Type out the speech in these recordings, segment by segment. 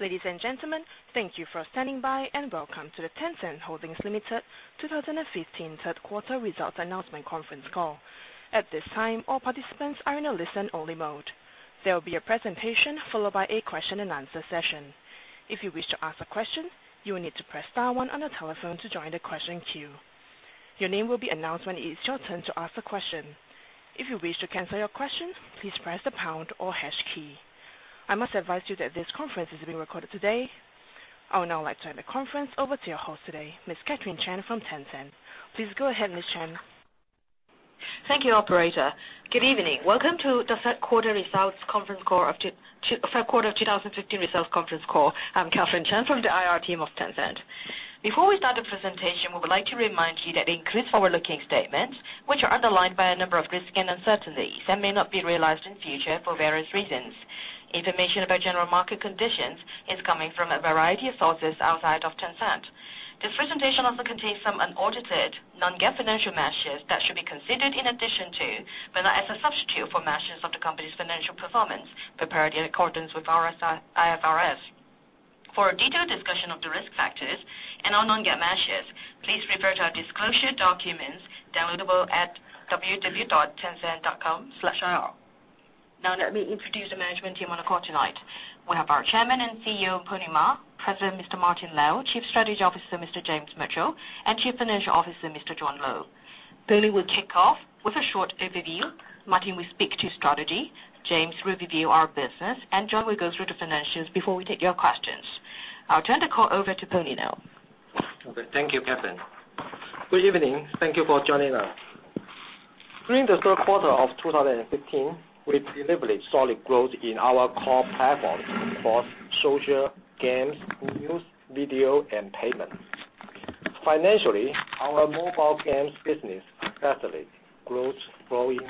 Ladies and gentlemen, thank you for standing by, and welcome to the Tencent Holdings Limited 2015 third quarter results announcement conference call. At this time, all participants are in a listen-only mode. There will be a presentation followed by a question and answer session. If you wish to ask a question, you will need to press star one on your telephone to join the question queue. Your name will be announced when it is your turn to ask a question. If you wish to cancel your question, please press the pound or hash key. I must advise you that this conference is being recorded today. I would now like to hand the conference over to your host today, Ms. Catherine Chan from Tencent. Please go ahead, Ms. Chan. Thank you, operator. Good evening. Welcome to the third quarter of 2015 results conference call. I'm Catherine Chan from the IR team of Tencent. Before we start the presentation, we would like to remind you that it includes forward-looking statements, which are underlined by a number of risks and uncertainties that may not be realized in future for various reasons. Information about general market conditions is coming from a variety of sources outside of Tencent. This presentation also contains some unaudited, non-GAAP financial measures that should be considered in addition to, but not as a substitute for, measures of the company's financial performance prepared in accordance with IFRS. For a detailed discussion of the risk factors and non-GAAP measures, please refer to our disclosure documents downloadable at www.tencent.com/ir. Let me introduce the management team on the call tonight. We have our Chairman and CEO, Pony Ma, President, Mr. Martin Lau, Chief Strategy Officer, Mr. James Mitchell, and Chief Financial Officer, Mr. John Lo. Pony will kick off with a short overview. Martin will speak to strategy. James will review our business, and John will go through the financials before we take your questions. I'll turn the call over to Pony now. Thank you, Catherine. Good evening. Thank you for joining us. During the third quarter of 2015, we delivered solid growth in our core platforms across social, games, news, video, and payment. Financially, our mobile games business accelerated growth following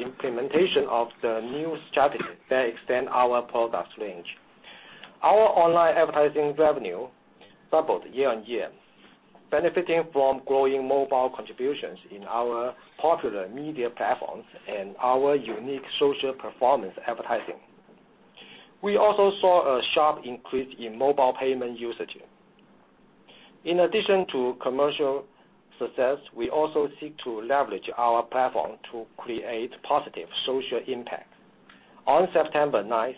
implementation of the new strategy that extend our product range. Our online advertising revenue doubled year-on-year, benefiting from growing mobile contributions in our popular media platforms and our unique social performance advertising. We also saw a sharp increase in mobile payment usage. In addition to commercial success, we also seek to leverage our platform to create positive social impact. On September 9th,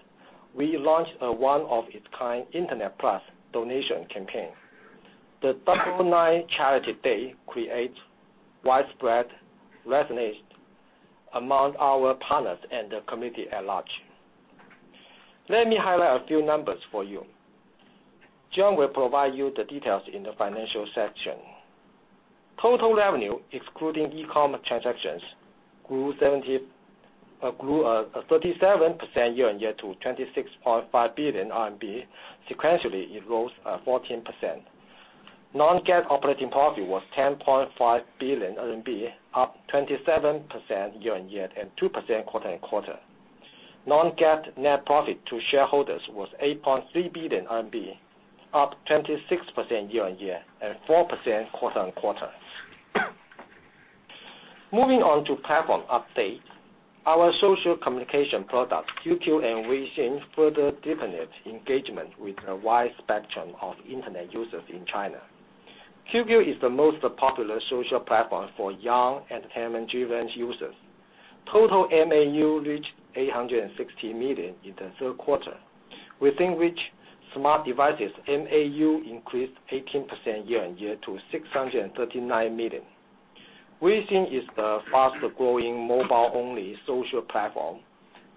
we launched a one of its kind Internet Plus donation campaign. The 99 Charity Day create widespread resonance among our partners and the community at large. Let me highlight a few numbers for you. John will provide you the details in the financial section. Total revenue, excluding e-commerce transactions, grew 37% year-on-year to 26.5 billion RMB. Sequentially, it rose 14%. Non-GAAP operating profit was 10.5 billion RMB, up 27% year-on-year and 2% quarter-on-quarter. Non-GAAP net profit to shareholders was 8.3 billion RMB, up 26% year-on-year and 4% quarter-on-quarter. Moving on to platform updates, our social communication product, QQ and Weixin, further deepened engagement with a wide spectrum of Internet users in China. QQ is the most popular social platform for young, entertainment-driven users. Total MAU reached 860 million in the third quarter, within which smart devices MAU increased 18% year-on-year to 639 million. Weixin is the fastest-growing mobile-only social platform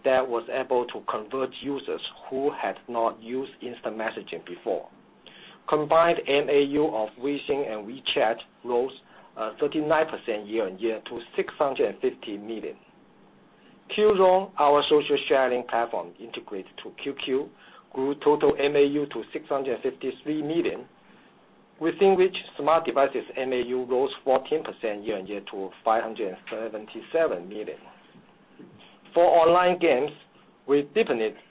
that was able to convert users who had not used instant messaging before. Combined MAU of Weixin and WeChat rose 39% year-on-year to 650 million. Qzone, our social sharing platform integrated to QQ, grew total MAU to 653 million, within which smart devices MAU rose 14% year-on-year to 577 million. For online games, we deepened penetration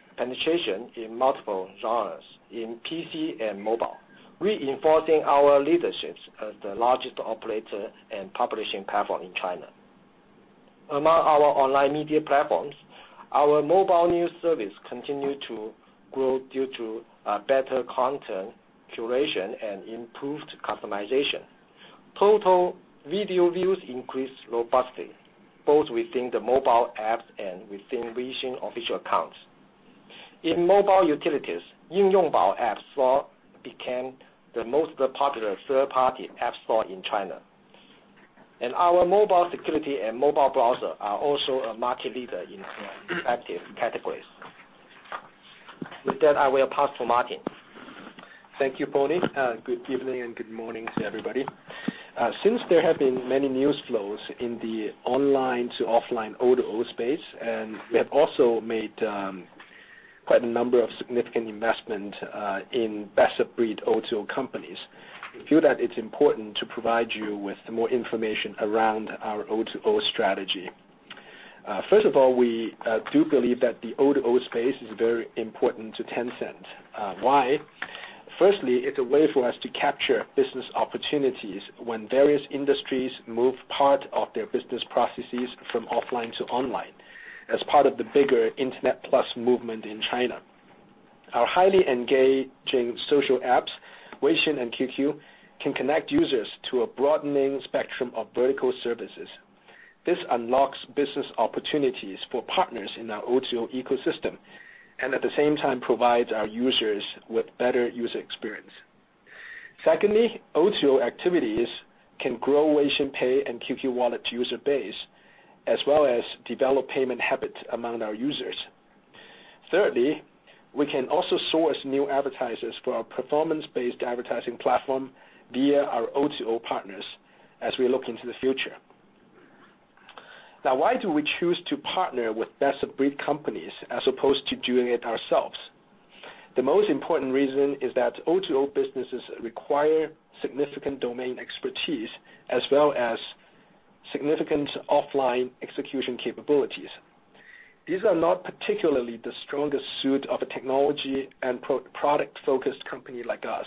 in multiple genres in PC and mobile, reinforcing our leadership as the largest operator and publishing platform in China. Among our online media platforms, our mobile news service continued to grow due to better content curation and improved customization. Total video views increased robustly, both within the mobile apps and within Weixin official accounts. In mobile utilities, Ying Yong Bao App Store became the most popular third-party app store in China. Our mobile security and mobile browser are also a market leader in their respective categories. With that, I will pass to Martin. Thank you, Pony. Good evening and good morning to everybody. Since there have been many news flows in the online to offline O2O space, and we have also made quite a number of significant investment in best-of-breed O2O companies, we feel that it's important to provide you with more information around our O2O strategy. First of all, we do believe that the O2O space is very important to Tencent. Why? Firstly, it's a way for us to capture business opportunities when various industries move part of their business processes from offline to online as part of the bigger Internet Plus movement in China. Our highly engaging social apps, Weixin and QQ, can connect users to a broadening spectrum of vertical services. This unlocks business opportunities for partners in our O2O ecosystem, and at the same time provides our users with better user experience. Secondly, O2O activities can grow Weixin Pay and QQ Wallet user base, as well as develop payment habits among our users. Thirdly, we can also source new advertisers for our performance-based advertising platform via our O2O partners as we look into the future. Why do we choose to partner with best-of-breed companies as opposed to doing it ourselves? The most important reason is that O2O businesses require significant domain expertise as well as significant offline execution capabilities. These are not particularly the strongest suit of a technology and product-focused company like us.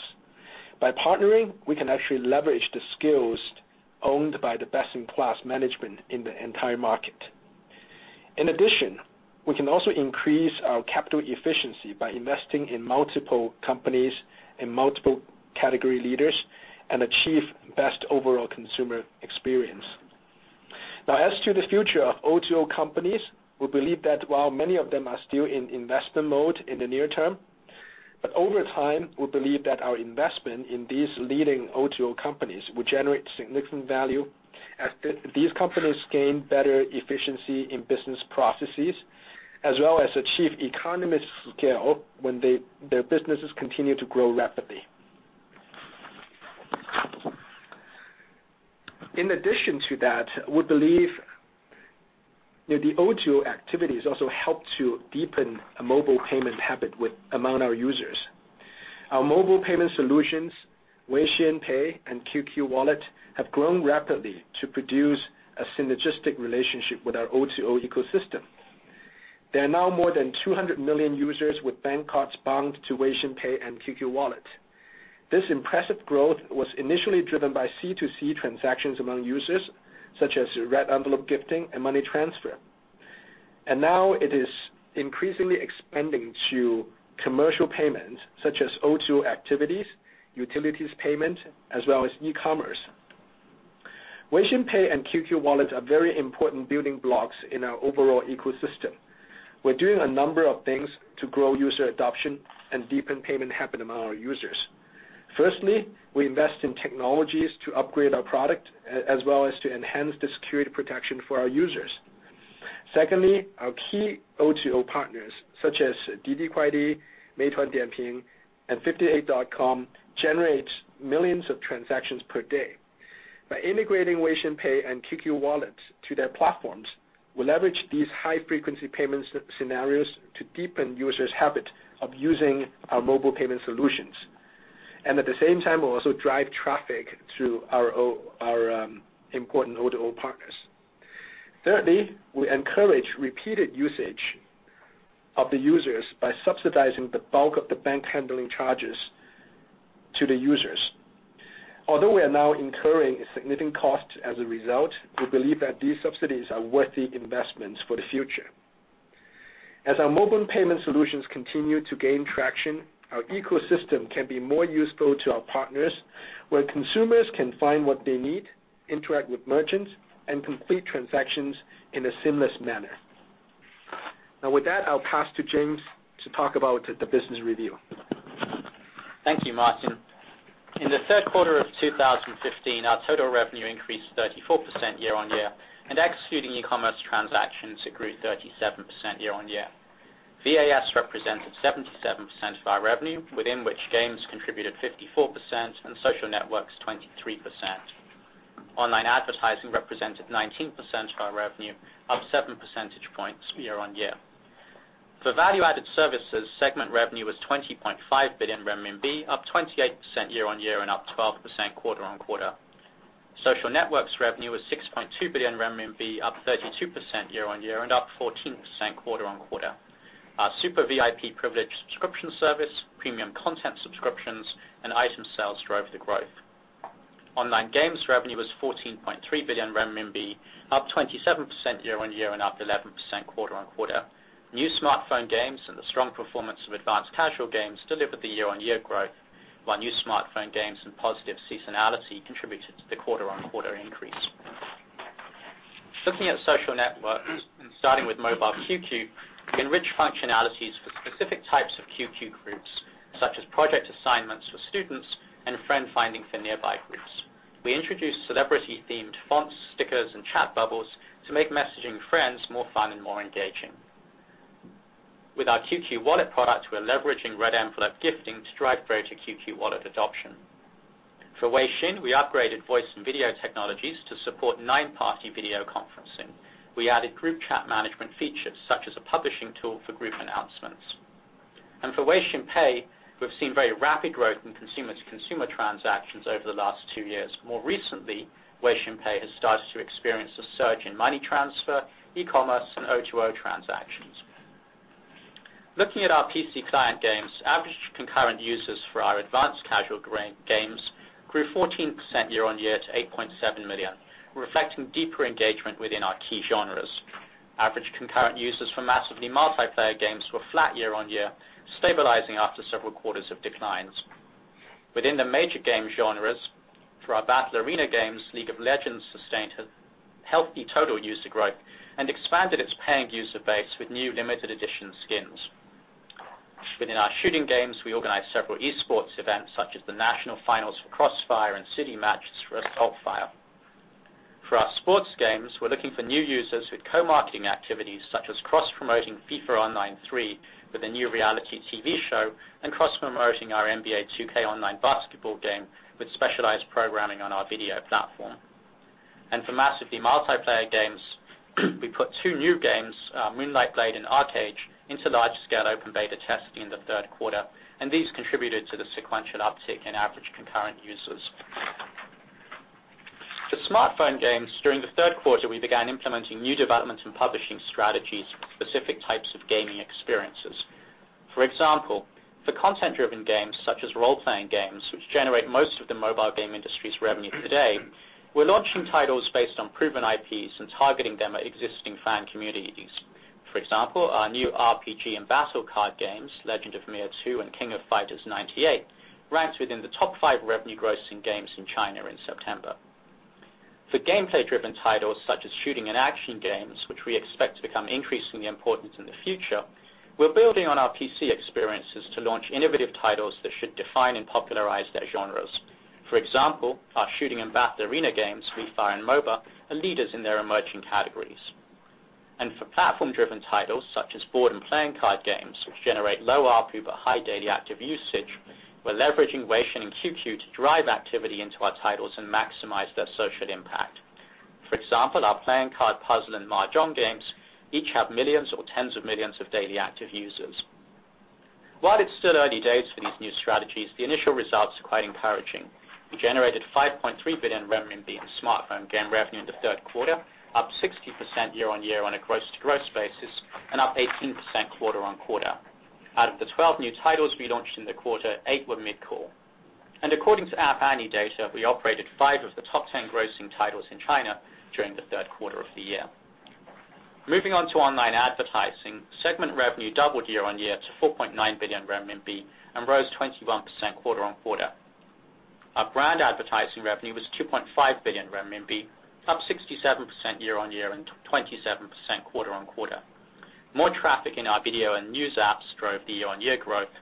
By partnering, we can actually leverage the skills owned by the best-in-class management in the entire market. In addition, we can also increase our capital efficiency by investing in multiple companies, in multiple category leaders, and achieve best overall consumer experience. As to the future of O2O companies, we believe that while many of them are still in investment mode in the near term, over time, we believe that our investment in these leading O2O companies will generate significant value as these companies gain better efficiency in business processes as well as achieve economies of scale when their businesses continue to grow rapidly. In addition to that, we believe that the O2O activities also help to deepen a mobile payment habit among our users. Our mobile payment solutions, Weixin Pay and QQ Wallet, have grown rapidly to produce a synergistic relationship with our O2O ecosystem. There are now more than 200 million users with bank cards bound to Weixin Pay and QQ Wallet. This impressive growth was initially driven by C2C transactions among users, such as red envelope gifting and money transfer. Now it is increasingly expanding to commercial payments such as O2O activities, utilities payment, as well as e-commerce. Weixin Pay and QQ Wallet are very important building blocks in our overall ecosystem. We're doing a number of things to grow user adoption and deepen payment habit among our users. Firstly, we invest in technologies to upgrade our product, as well as to enhance the security protection for our users. Secondly, our key O2O partners such as Didi Chuxing, Meituan-Dianping, and 58.com, generate millions of transactions per day. By integrating Weixin Pay and QQ Wallet to their platforms, we leverage these high-frequency payment scenarios to deepen users' habit of using our mobile payment solutions. At the same time, we also drive traffic to our important O2O partners. Thirdly, we encourage repeated usage of the users by subsidizing the bulk of the bank handling charges to the users. Although we are now incurring a significant cost as a result, we believe that these subsidies are worthy investments for the future. As our mobile payment solutions continue to gain traction, our ecosystem can be more useful to our partners where consumers can find what they need, interact with merchants, and complete transactions in a seamless manner. With that, I'll pass to James to talk about the business review. Thank you, Martin. In the third quarter of 2015, our total revenue increased 34% year-on-year. Excluding e-commerce transactions, it grew 37% year-on-year. VAS represented 77% of our revenue, within which games contributed 54% and social networks 23%. Online advertising represented 19% of our revenue, up seven percentage points year-on-year. For value-added services, segment revenue was 20.5 billion renminbi, up 28% year-on-year and up 12% quarter-on-quarter. Social networks revenue was 6.2 billion renminbi, up 32% year-on-year and up 14% quarter-on-quarter. Our super VIP privilege subscription service, premium content subscriptions, and item sales drove the growth. Online games revenue was 14.3 billion renminbi, up 27% year-on-year and up 11% quarter-on-quarter. New smartphone games and the strong performance of advanced casual games delivered the year-on-year growth, while new smartphone games and positive seasonality contributed to the quarter-on-quarter increase. Looking at social networks, starting with mobile QQ, we enrich functionalities for specific types of QQ groups, such as project assignments for students and friend-finding for nearby groups. We introduced celebrity-themed fonts, stickers, and chat bubbles to make messaging friends more fun and more engaging. With our QQ Wallet product, we are leveraging red envelope gifting to drive greater QQ Wallet adoption. For Weixin, we upgraded voice and video technologies to support nine-party video conferencing. We added group chat management features such as a publishing tool for group announcements. For Weixin Pay, we've seen very rapid growth in consumer-to-consumer transactions over the last two years. More recently, Weixin Pay has started to experience a surge in money transfer, e-commerce, and O2O transactions. Looking at our PC client games, average concurrent users for our advanced casual games grew 14% year-on-year to 8.7 million, reflecting deeper engagement within our key genres. Average concurrent users for massively multiplayer games were flat year-on-year, stabilizing after several quarters of declines. Within the major game genres, for our battle arena games, League of Legends sustained healthy total user growth and expanded its paying user base with new limited edition skins. Within our shooting games, we organized several esports events, such as the national finals for CrossFire and city matches for Assault Fire. For our sports games, we're looking for new users with co-marketing activities, such as cross-promoting FIFA Online 3 with a new reality TV show, and cross-promoting our NBA 2K Online basketball game with specialized programming on our video platform. For massively multiplayer games, we put two new games, Moonlight Blade and ArcheAge, into large-scale open beta testing in the third quarter, and these contributed to the sequential uptick in average concurrent users. For smartphone games, during the third quarter, we began implementing new developments and publishing strategies for specific types of gaming experiences. For example, for content-driven games, such as role-playing games, which generate most of the mobile game industry's revenue today, we're launching titles based on proven IPs and targeting them at existing fan communities. For example, our new RPG and battle card games, Legend of Mir 2 and King of Fighters '98, ranked within the top five revenue-grossing games in China in September. For gameplay-driven titles, such as shooting and action games, which we expect to become increasingly important in the future, we're building on our PC experiences to launch innovative titles that should define and popularize their genres. For example, our shooting and battle arena games, Free Fire and MOBA, are leaders in their emerging categories. For platform-driven titles, such as board and playing card games, which generate low ARPU but high daily active usage, we're leveraging WeChat and QQ to drive activity into our titles and maximize their social impact. For example, our playing card puzzle and mahjong games each have millions or tens of millions of daily active users. While it's still early days for these new strategies, the initial results are quite encouraging. We generated 5.3 billion renminbi in smartphone game revenue in the third quarter, up 60% year-on-year on a gross-to-gross basis and up 18% quarter-on-quarter. Out of the 12 new titles we launched in the quarter, eight were mid-core. According to App Annie data, we operated five of the top 10 grossing titles in China during the third quarter of the year. Moving on to online advertising, segment revenue doubled year-on-year to 4.9 billion RMB and rose 21% quarter-on-quarter. Our brand advertising revenue was 2.5 billion RMB, up 67% year-on-year and 27% quarter-on-quarter. More traffic in our video and news apps drove the year-on-year growth.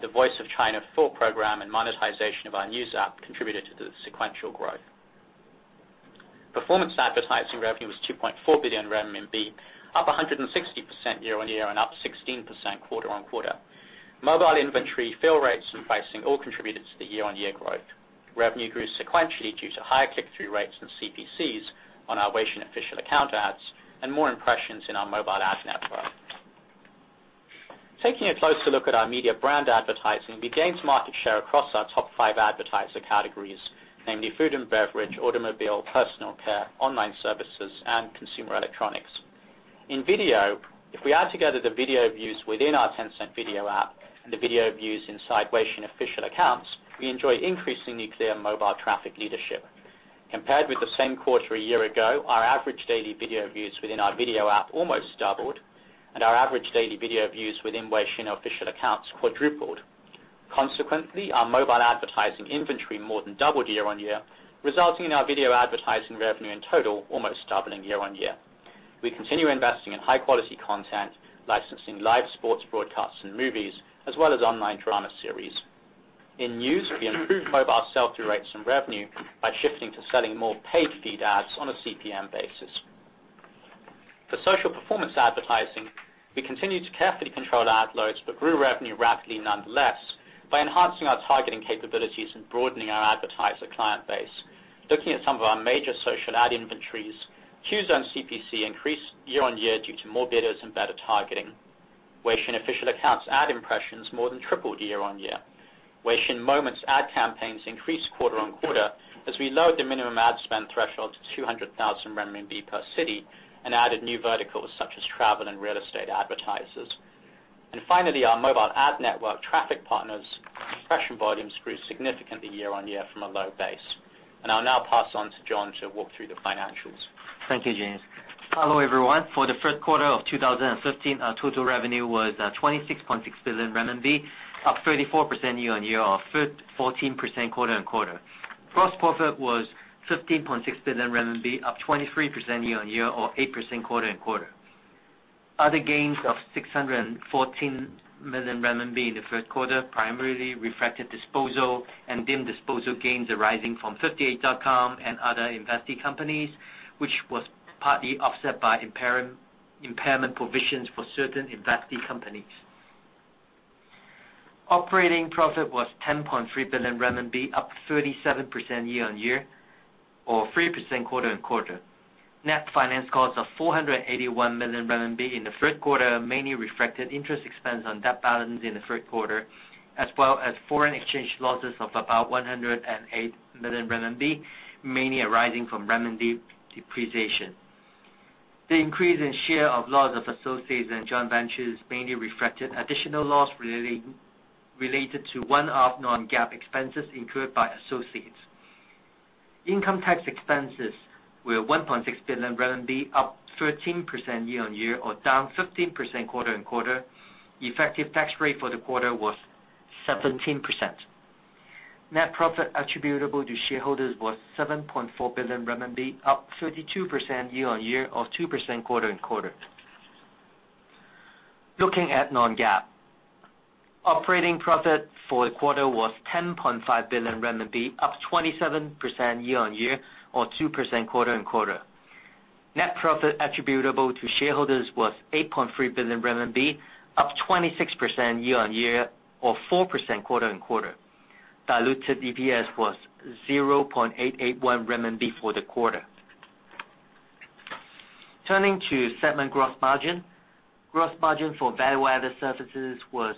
The Voice of China fall program and monetization of our news app contributed to the sequential growth. Performance advertising revenue was 2.4 billion RMB, up 160% year-on-year and up 16% quarter-on-quarter. Mobile inventory, fill rates, and pricing all contributed to the year-on-year growth. Revenue grew sequentially due to higher click-through rates and CPCs on our WeChat official account ads and more impressions in our mobile ad network. Taking a closer look at our media brand advertising, we gained market share across our top five advertiser categories, namely food and beverage, automobile, personal care, online services, and consumer electronics. In video, if we add together the video views within our Tencent Video app and the video views inside WeChat official accounts, we enjoy increasingly clear mobile traffic leadership. Compared with the same quarter a year ago, our average daily video views within our video app almost doubled, and our average daily video views within WeChat official accounts quadrupled. Consequently, our mobile advertising inventory more than doubled year-on-year, resulting in our video advertising revenue in total almost doubling year-on-year. We continue investing in high-quality content, licensing live sports broadcasts and movies, as well as online drama series. In news, we improved mobile sell-through rates and revenue by shifting to selling more paid feed ads on a CPM basis. For social performance advertising, we continued to carefully control ad loads but grew revenue rapidly nonetheless by enhancing our targeting capabilities and broadening our advertiser client base. Looking at some of our major social ad inventories, Qzone CPC increased year-on-year due to more bidders and better targeting. WeChat official accounts ad impressions more than tripled year-on-year. WeChat Moments ad campaigns increased quarter-on-quarter as we lowered the minimum ad spend threshold to 200,000 renminbi per city and added new verticals such as travel and real estate advertisers. Finally, our mobile ad network traffic partners impression volumes grew significantly year-on-year from a low base. I'll now pass on to John to walk through the financials. Thank you, James. Hello, everyone. For the third quarter of 2015, our total revenue was 26.6 billion renminbi, up 34% year-on-year, or 14% quarter-on-quarter. Gross profit was 15.6 billion renminbi, up 23% year-on-year or 8% quarter-on-quarter. Other gains of 614 million renminbi in the third quarter primarily reflected disposal and dim disposal gains arising from 58.com and other investee companies, which was partly offset by impairment provisions for certain investee companies. Operating profit was 10.3 billion RMB, up 37% year-on-year or 3% quarter-on-quarter. Net finance costs of 481 million RMB in the third quarter mainly reflected interest expense on debt balances in the third quarter, as well as foreign exchange losses of about 108 million RMB, mainly arising from RMB depreciation. The increase in share of loss of associates and joint ventures mainly reflected additional loss related to one-off non-GAAP expenses incurred by associates. Income tax expenses were 1.6 billion RMB, up 13% year-on-year or down 15% quarter-on-quarter. Effective tax rate for the quarter was 17%. Net profit attributable to shareholders was 7.4 billion renminbi, up 32% year-on-year or 2% quarter-on-quarter. Looking at non-GAAP. Operating profit for the quarter was 10.5 billion RMB, up 27% year-on-year or 2% quarter-on-quarter. Net profit attributable to shareholders was 8.3 billion RMB, up 26% year-on-year or 4% quarter-on-quarter. Diluted EPS was 0.881 renminbi for the quarter. Turning to segment gross margin. Gross margin for value-added services was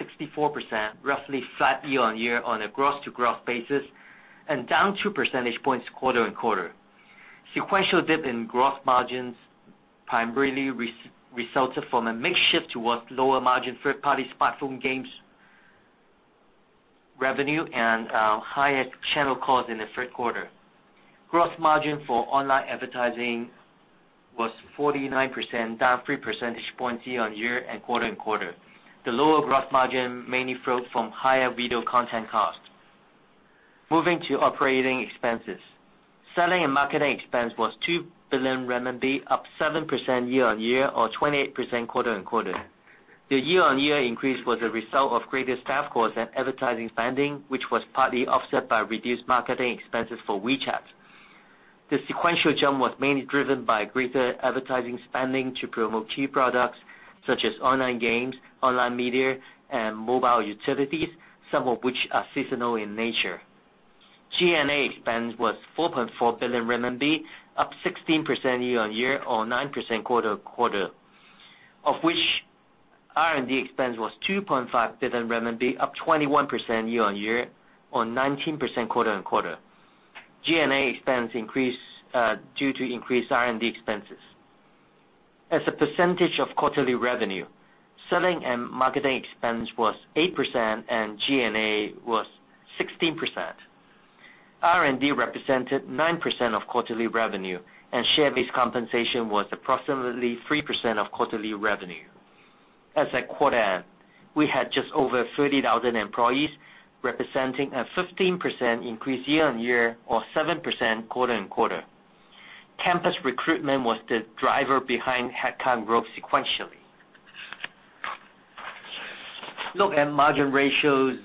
64%, roughly flat year-on-year on a gross-to-gross basis, and down 2 percentage points quarter-on-quarter. Sequential dip in gross margins primarily resulted from a mix shift towards lower margin third-party smartphone games revenue and higher channel costs in the third quarter. Gross margin for online advertising was 49%, down 3 percentage points year-on-year and quarter-on-quarter. The lower gross margin mainly flowed from higher video content costs. Moving to operating expenses. Selling and marketing expense was 2 billion renminbi, up 7% year-on-year or 28% quarter-on-quarter. The year-on-year increase was a result of greater staff costs and advertising spending, which was partly offset by reduced marketing expenses for WeChat. The sequential jump was mainly driven by greater advertising spending to promote key products such as online games, online media, and mobile utilities, some of which are seasonal in nature. G&A expense was 4.4 billion renminbi, up 16% year-on-year or 9% quarter-on-quarter. Of which, R&D expense was 2.5 billion RMB, up 21% year-on-year or 19% quarter-on-quarter. G&A expense increased due to increased R&D expenses. As a percentage of quarterly revenue, selling and marketing expense was 8% and G&A was 16%. R&D represented 9% of quarterly revenue, and share-based compensation was approximately 3% of quarterly revenue. As at quarter end, we had just over 30,000 employees, representing a 15% increase year-on-year or 7% quarter-on-quarter. Campus recruitment was the driver behind headcount growth sequentially. Look at margin ratios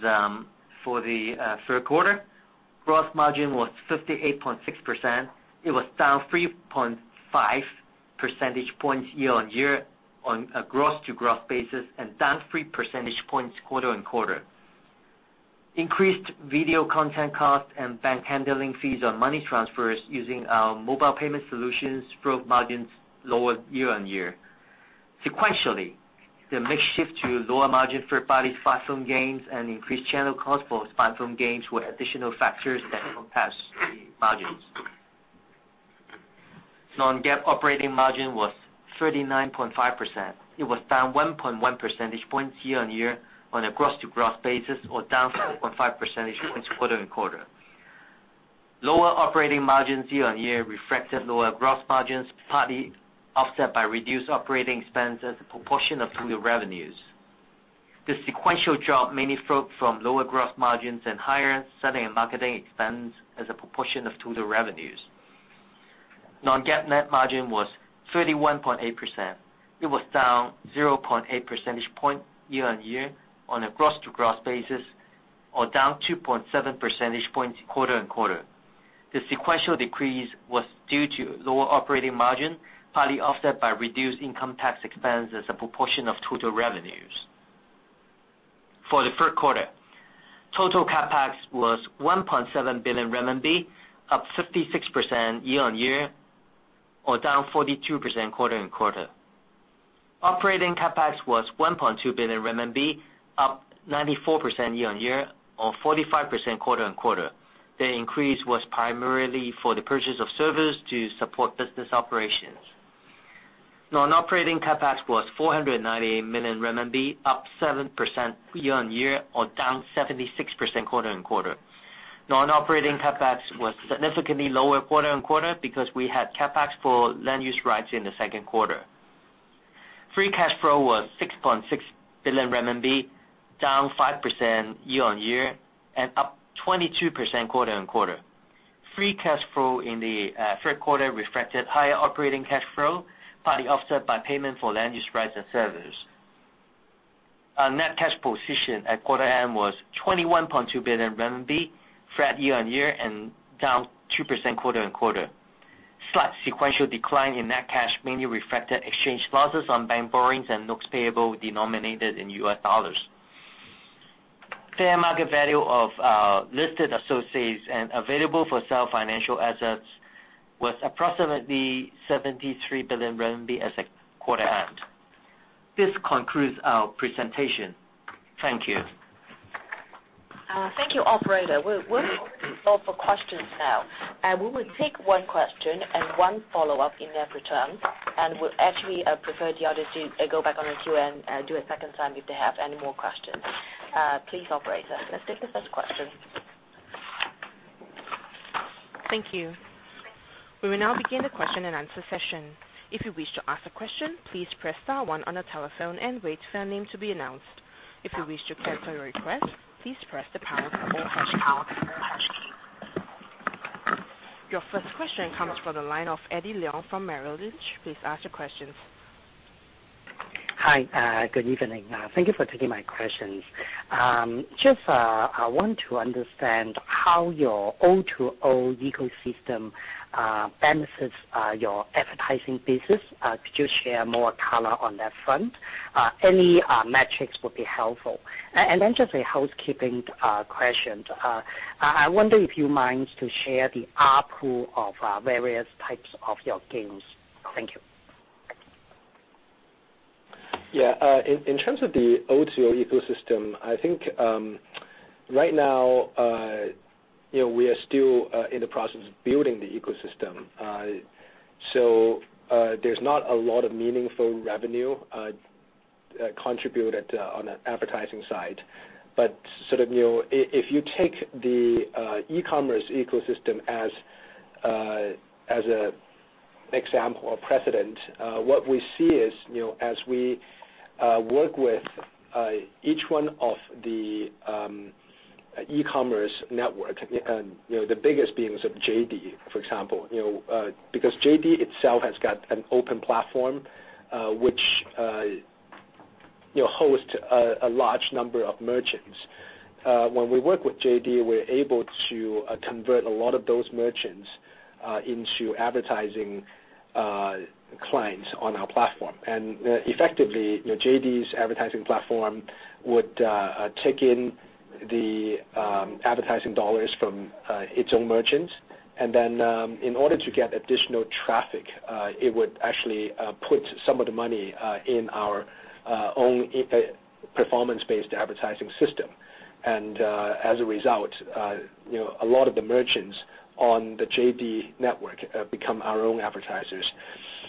for the third quarter. Gross margin was 58.6%. It was down 3.5 percentage points year-on-year on a gross-to-gross basis and down 3 percentage points quarter-on-quarter. Increased video content costs and bank handling fees on money transfers using our mobile payment solutions drove margins lower year-on-year. Sequentially, the mix shift to lower margin third-party smartphone games and increased channel costs for smartphone games were additional factors that compressed margins. Non-GAAP operating margin was 39.5%. It was down 1.1 percentage points year-on-year on a gross-to-gross basis or down 4.5 percentage points quarter-on-quarter. Lower operating margins year-on-year reflected lower gross margins, partly offset by reduced operating expenses as a proportion of total revenues. The sequential drop mainly flowed from lower gross margins and higher selling and marketing expense as a proportion of total revenues. Non-GAAP net margin was 31.8%. It was down 0.8 percentage point year-on-year on a gross-to-gross basis or down 2.7 percentage points quarter-on-quarter. The sequential decrease was due to lower operating margin, partly offset by reduced income tax expense as a proportion of total revenues. For the third quarter, total CapEx was 1.7 billion renminbi, up 56% year-on-year or down 42% quarter-on-quarter. Operating CapEx was 1.2 billion RMB, up 94% year-on-year or 45% quarter-on-quarter. The increase was primarily for the purchase of servers to support business operations. Non-operating CapEx was 498 million RMB, up 7% year-on-year or down 76% quarter-on-quarter. Non-operating CapEx was significantly lower quarter-on-quarter because we had CapEx for land use rights in the second quarter. Free cash flow was 6.6 billion RMB, down 5% year-on-year and up 22% quarter-on-quarter. Free cash flow in the third quarter reflected higher operating cash flow, partly offset by payment for land use rights and servers. Our net cash position at quarter end was 21.2 billion RMB, flat year-on-year and down 2% quarter-on-quarter. Slight sequential decline in net cash mainly reflected exchange losses on bank borrowings and notes payable denominated in US dollars. Fair market value of listed associates and available-for-sale financial assets was approximately 73 billion RMB as at quarter end. This concludes our presentation. Thank you. Thank you, operator. We're open for questions now. We will take one question and one follow-up in every turn. We actually prefer the others to go back on the queue and do a second time if they have any more questions. Please, operator, let's take the first question. Thank you. We will now begin the question and answer session. If you wish to ask a question, please press star one on the telephone and wait for your name to be announced. If you wish to cancel your request, please press the pound or hash key. Your first question comes from the line of Eddie Leung from Merrill Lynch. Please ask your questions. Hi, good evening. Thank you for taking my questions. I want to understand how your O2O ecosystem benefits your advertising business. Could you share more color on that front? Any metrics would be helpful. A housekeeping question. I wonder if you mind to share the ARPU of various types of your games. Thank you. In terms of the O2O ecosystem, right now, we are still in the process of building the ecosystem. There's not a lot of meaningful revenue contributed on the advertising side. If you take the e-commerce ecosystem as an example or precedent, what we see is, as we work with each one of the e-commerce network, the biggest being JD.com, for example, because JD.com itself has got an open platform, which hosts a large number of merchants. When we work with JD.com, we're able to convert a lot of those merchants into advertising clients on our platform. Effectively, JD.com's advertising platform would take in the advertising dollars from its own merchants. Then, in order to get additional traffic, it would actually put some of the money in our own performance-based advertising system. As a result, a lot of the merchants on the JD.com network become our own advertisers.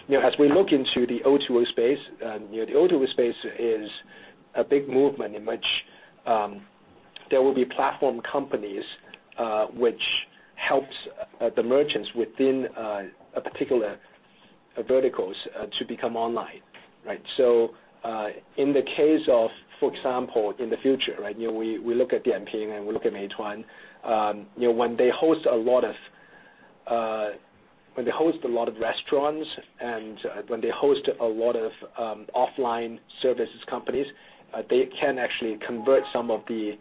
As we look into the O2O space, the O2O space is a big movement in which there will be platform companies, which helps the merchants within a particular verticals to become online. In the case of, for example, in the future, we look at Dianping and we look at Meituan. When they host a lot of restaurants and when they host a lot of offline services companies, they can actually convert some of the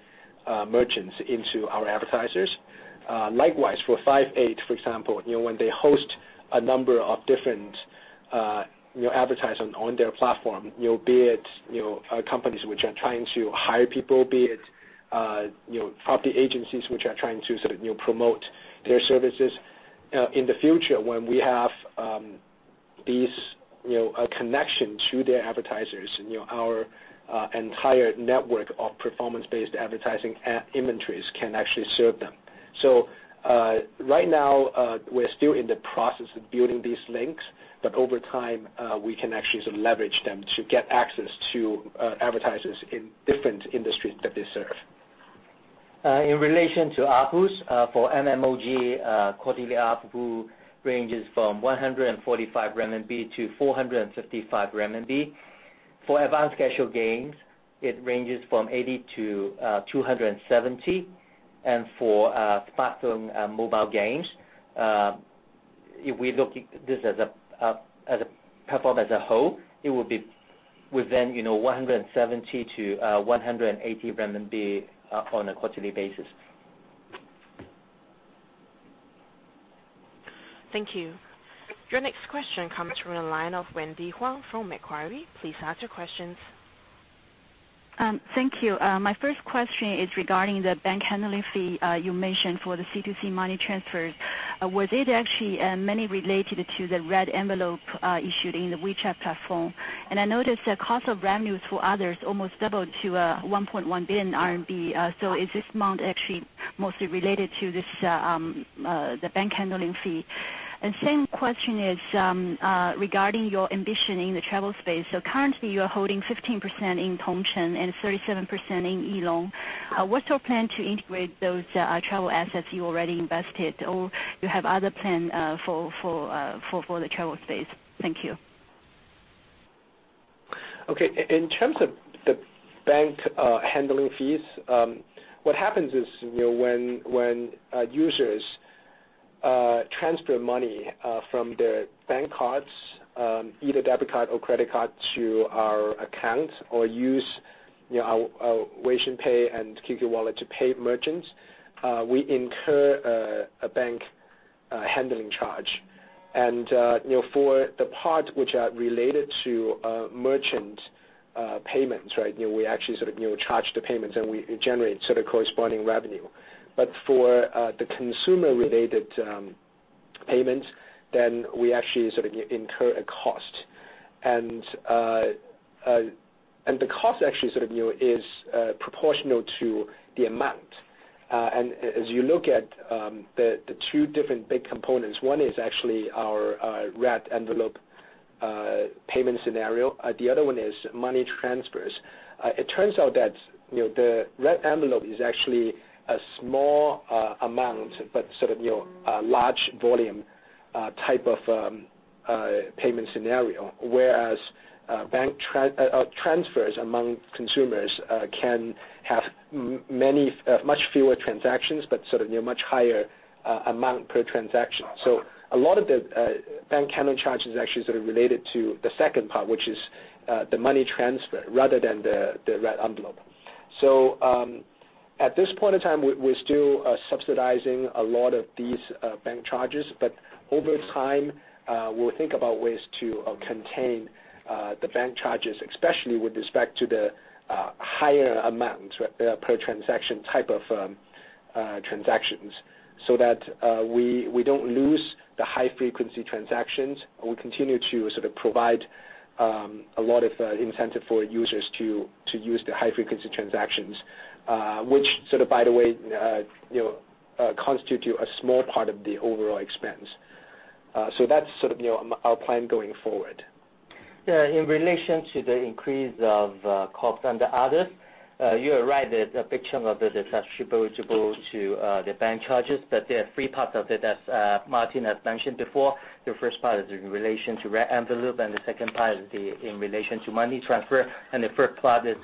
merchants into our advertisers. Likewise, for 58, for example, when they host a number of different advertising on their platform, be it companies which are trying to hire people, be it property agencies which are trying to promote their services. In the future when we have these connections to their advertisers, our entire network of performance-based advertising inventories can actually serve them. Right now, we're still in the process of building these links, but over time, we can actually leverage them to get access to advertisers in different industries that they serve. In relation to ARPUs, for MMOG, quarterly ARPU ranges from 145-455 RMB. For advanced casual games, it ranges from 80-270. For platform mobile games, if we look at this as a whole, it would be within 170-180 RMB on a quarterly basis. Thank you. Your next question comes from the line of Wendy Huang from Macquarie. Please ask your questions. Thank you. My first question is regarding the bank handling fee you mentioned for the C2C money transfers. Was it actually mainly related to the red envelope issued in the WeChat platform? I noticed the cost of revenues for others almost doubled to 1.1 billion RMB. Is this amount actually mostly related to the bank handling fee? Same question is regarding your ambition in the travel space. Currently you are holding 15% in Tongcheng and 37% in eLong. What's your plan to integrate those travel assets you already invested, or you have other plan for the travel space? Thank you. Okay. In terms of the bank handling fees, what happens is, when users transfer money from their bank cards, either debit card or credit card, to our account or use our WeChat Pay and QQ Wallet to pay merchants, we incur a bank handling charge. For the part which are related to merchant payments, we actually charge the payments, and we generate corresponding revenue. For the consumer-related payment, we actually sort of incur a cost. The cost actually sort of is proportional to the amount. As you look at the two different big components, one is actually our red envelope payment scenario. The other one is money transfers. It turns out that, the red envelope is actually a small amount, but sort of, large volume, type of payment scenario. Whereas, bank transfers among consumers can have much fewer transactions, but sort of much higher amount per transaction. A lot of the bank handling charges actually sort of related to the second part, which is the money transfer rather than the red envelope. At this point in time, we're still subsidizing a lot of these bank charges. Over time, we'll think about ways to contain the bank charges, especially with respect to the higher amounts per transaction type of transactions, so that we don't lose the high-frequency transactions. We continue to sort of provide a lot of incentive for users to use the high-frequency transactions, which sort of, by the way, constitute a small part of the overall expense. That's sort of our plan going forward. Yeah, in relation to the increase of costs and the others, you are right that a big chunk of it is attributable to the bank charges, but there are three parts of it, as Martin has mentioned before. The first part is in relation to red envelope, and the second part is in relation to money transfer, and the third part is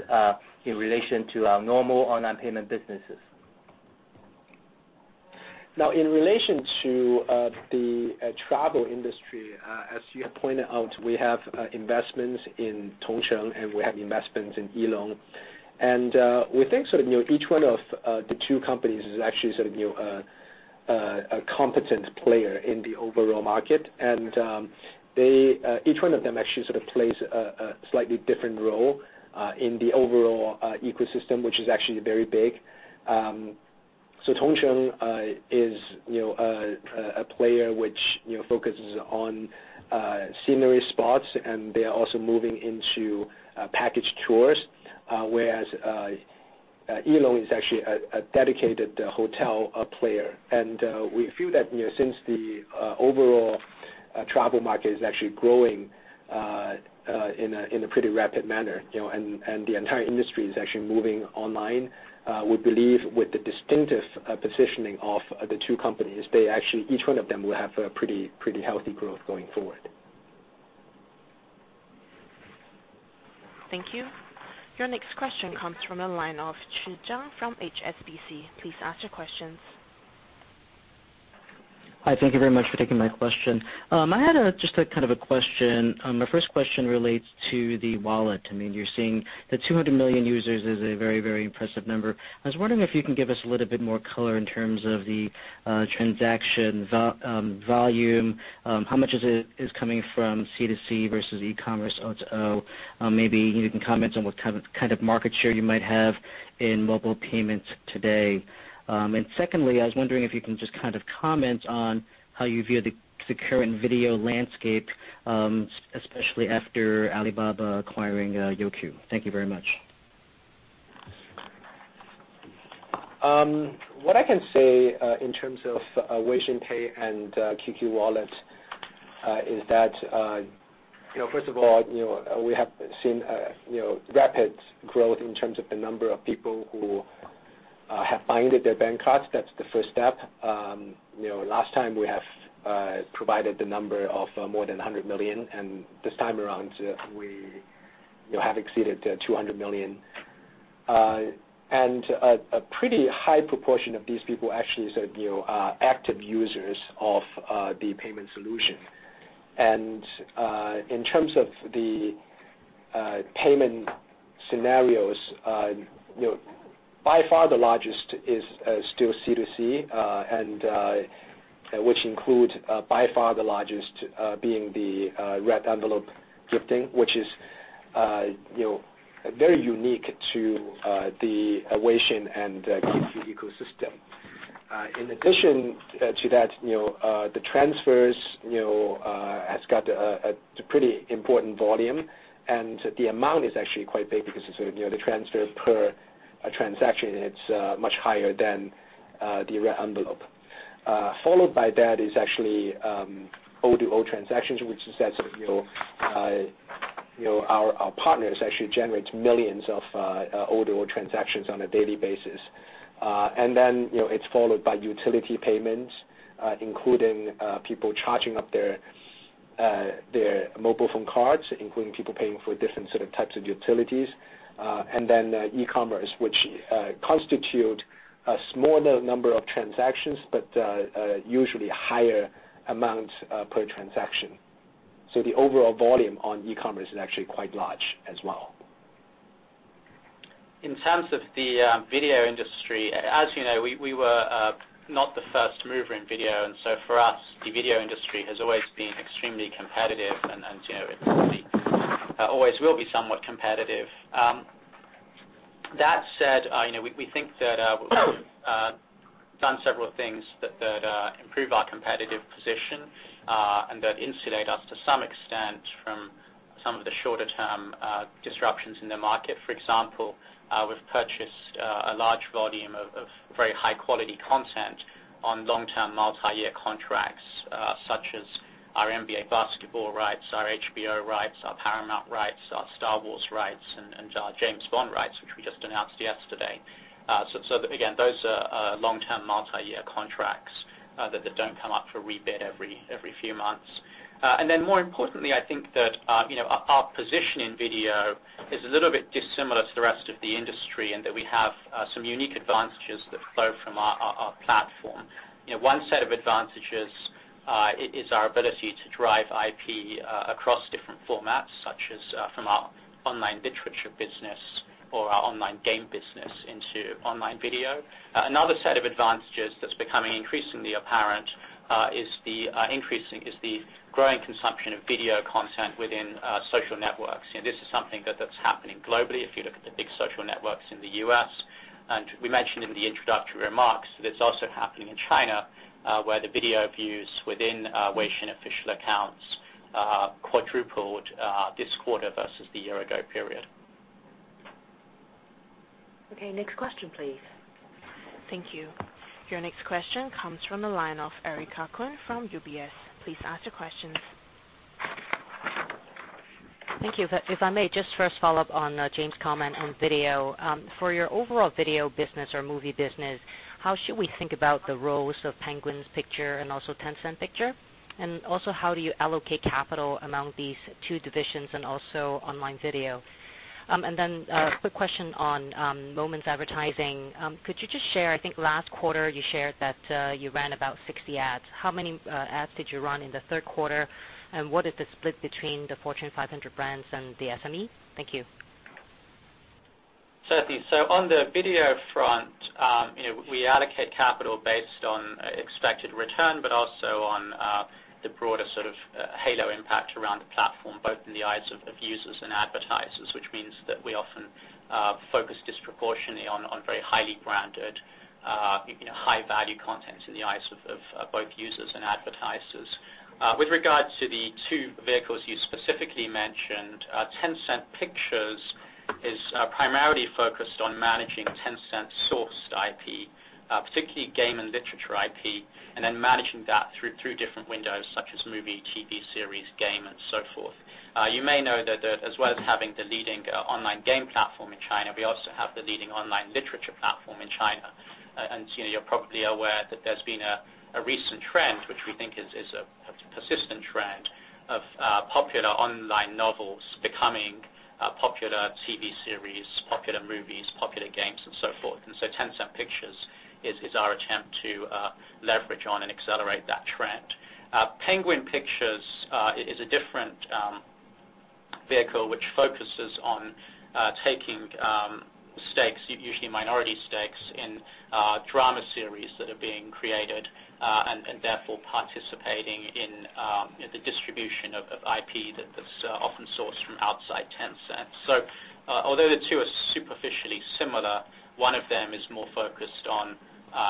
in relation to our normal online payment businesses. In relation to the travel industry, as you have pointed out, we have investments in Tongcheng, and we have investments in eLong. We think sort of each one of the two companies is actually sort of a competent player in the overall market. Each one of them actually sort of plays a slightly different role in the overall ecosystem, which is actually very big. Tongcheng is a player which focuses on scenery spots, and they are also moving into package tours. Whereas, eLong is actually a dedicated hotel player. We feel that since the overall travel market is actually growing in a pretty rapid manner, and the entire industry is actually moving online, we believe with the distinctive positioning of the two companies, each one of them will have a pretty healthy growth going forward. Thank you. Your next question comes from the line of Chi Tsang from HSBC. Please ask your questions. Hi, thank you very much for taking my question. I had just a kind of a question. My first question relates to the wallet. I mean, you're seeing the 200 million users is a very impressive number. I was wondering if you can give us a little bit more color in terms of the transaction volume. How much of it is coming from C2C versus e-commerce O2O? Maybe you can comment on what kind of market share you might have in mobile payments today. Secondly, I was wondering if you can just kind of comment on how you view the current video landscape, especially after Alibaba acquiring Youku. Thank you very much. What I can say, in terms of Weixin Pay and QQ Wallet, is that first of all, we have seen rapid growth in terms of the number of people who have binded their bank cards. That's the first step. Last time we have provided the number of more than 100 million, this time around, we have exceeded 200 million. A pretty high proportion of these people actually sort of active users of the payment solution. In terms of the payment scenarios, by far the largest is still C2C, which includes by far the largest being the red envelope gifting, which is very unique to the Weixin and QQ ecosystem. In addition to that, the transfers has got a pretty important volume, and the amount is actually quite big because the transfer per transaction, it's much higher than the red envelope. Followed by that is actually O2O transactions, which is that sort of our partners actually generate millions of O2O transactions on a daily basis. It's followed by utility payments, including people charging up their mobile phone cards, including people paying for different sort of types of utilities. E-commerce, which constitute a smaller number of transactions, but usually higher amount per transaction. The overall volume on e-commerce is actually quite large as well. In terms of the video industry, as you know, we were not the first mover in video, for us, the video industry has always been extremely competitive and it probably always will be somewhat competitive. That said, we think that we've done several things that improve our competitive position, and that insulate us to some extent from some of the shorter-term disruptions in the market. For example, we've purchased a large volume of very high-quality content on long-term multi-year contracts such as our NBA basketball rights, our HBO rights, our Paramount rights, our Star Wars rights, and our James Bond rights, which we just announced yesterday. Again, those are long-term multi-year contracts that don't come up for rebid every few months. More importantly, I think that our position in video is a little bit dissimilar to the rest of the industry, and that we have some unique advantages that flow from our platform. One set of advantages is our ability to drive IP across different formats, such as from our online literature business or our online game business into online video. Another set of advantages that's becoming increasingly apparent is the growing consumption of video content within social networks. This is something that's happening globally if you look at the big social networks in the U.S. We mentioned in the introductory remarks that it's also happening in China, where the video views within WeChat official accounts quadrupled this quarter versus the year-ago period. Okay. Next question, please. Thank you. Your next question comes from the line of Erica Werkun from UBS. Please ask your questions. Thank you. If I may just first follow up on James' comment on video. For your overall video business or movie business, how should we think about the roles of Penguin Pictures and also Tencent Pictures? How do you allocate capital among these two divisions and also online video? A quick question on WeChat Moments advertising. Could you just share, I think last quarter you shared that you ran about 60 ads. How many ads did you run in the third quarter, and what is the split between the Fortune 500 brands and the SME? Thank you. Certainly. On the video front, we allocate capital based on expected return, but also on the broader sort of halo impact around the platform, both in the eyes of users and advertisers, which means that we often focus disproportionately on very highly branded, high-value content in the eyes of both users and advertisers. With regards to the two vehicles you specifically mentioned, Tencent Pictures is primarily focused on managing Tencent-sourced IP, particularly game and literature IP, managing that through different windows such as movie, TV series, game, and so forth. You may know that as well as having the leading online game platform in China, we also have the leading online literature platform in China. You're probably aware that there's been a recent trend, which we think is a persistent trend, of popular online novels becoming popular TV series, popular movies, popular games, and so forth. Tencent Pictures is our attempt to leverage on and accelerate that trend. Penguin Pictures is a different vehicle which focuses on taking stakes, usually minority stakes, in drama series that are being created, and therefore participating in the distribution of IP that's often sourced from outside Tencent. Although the two are superficially similar, one of them is more focused on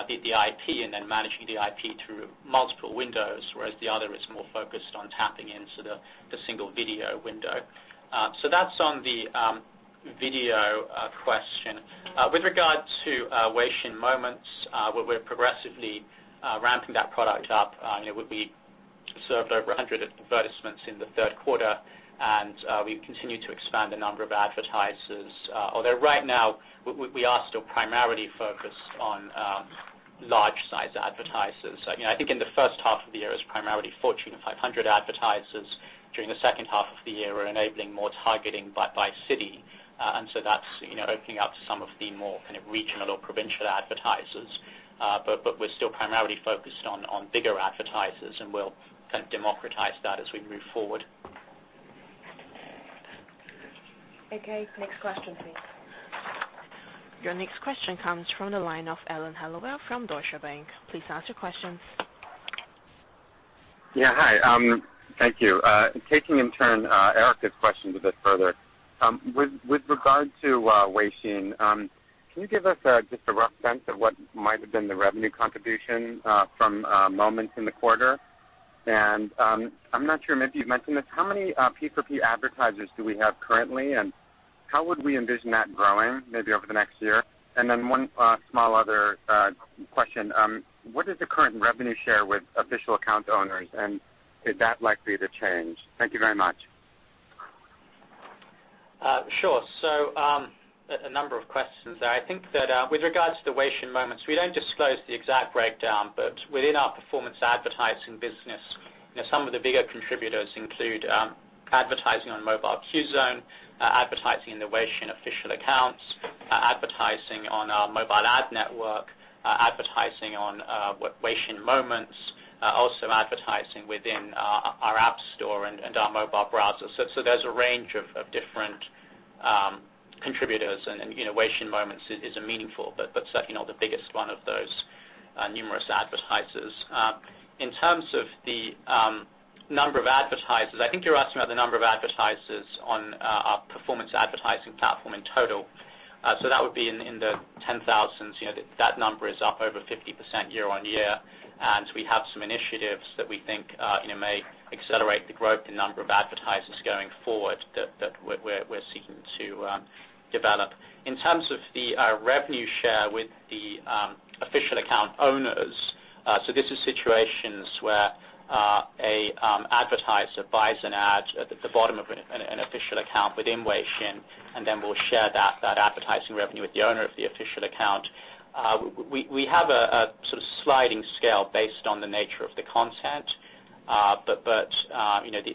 the IP and then managing the IP through multiple windows, whereas the other is more focused on tapping into the single video window. That's on the video question. With regard to WeChat Moments, we're progressively ramping that product up. We served over 100 advertisements in the third quarter, and we continue to expand the number of advertisers. Although right now, we are still primarily focused on large-sized advertisers. I think in the first half of the year, it was primarily Fortune 500 advertisers. During the second half of the year, we're enabling more targeting by city. That's opening up to some of the more kind of regional or provincial advertisers. We're still primarily focused on bigger advertisers, and we'll kind of democratize that as we move forward. Okay. Next question, please. Your next question comes from the line of Alan Hellawell from Deutsche Bank. Please ask your questions. Yeah. Hi. Thank you. Taking in turn, Erica's question a bit further. With regard to WeChat, can you give us just a rough sense of what might have been the revenue contribution from Moments in the quarter? I'm not sure maybe you've mentioned this, how many P4P advertisers do we have currently, and how would we envision that growing maybe over the next year? One small other question. What is the current revenue share with official account owners, and is that likely to change? Thank you very much. Sure. A number of questions there. I think that with regards to the WeChat Moments, we don't disclose the exact breakdown, but within our performance advertising business, some of the bigger contributors include advertising on mobile Qzone, advertising in the WeChat official accounts, advertising on our mobile ad network, advertising on WeChat Moments, also advertising within our app store and our mobile browser. There's a range of different contributors, and WeChat Moments is a meaningful, but certainly not the biggest one of those numerous advertisers. In terms of the number of advertisers, I think you're asking about the number of advertisers on our performance advertising platform in total. That would be in the 10 thousands. That number is up over 50% year-over-year. We have some initiatives that we think may accelerate the growth in number of advertisers going forward, that we're seeking to develop. In terms of the revenue share with the official account owners, this is situations where an advertiser buys an ad at the bottom of an official account within WeChat, and then we'll share that advertising revenue with the owner of the official account. We have a sort of sliding scale based on the nature of the content.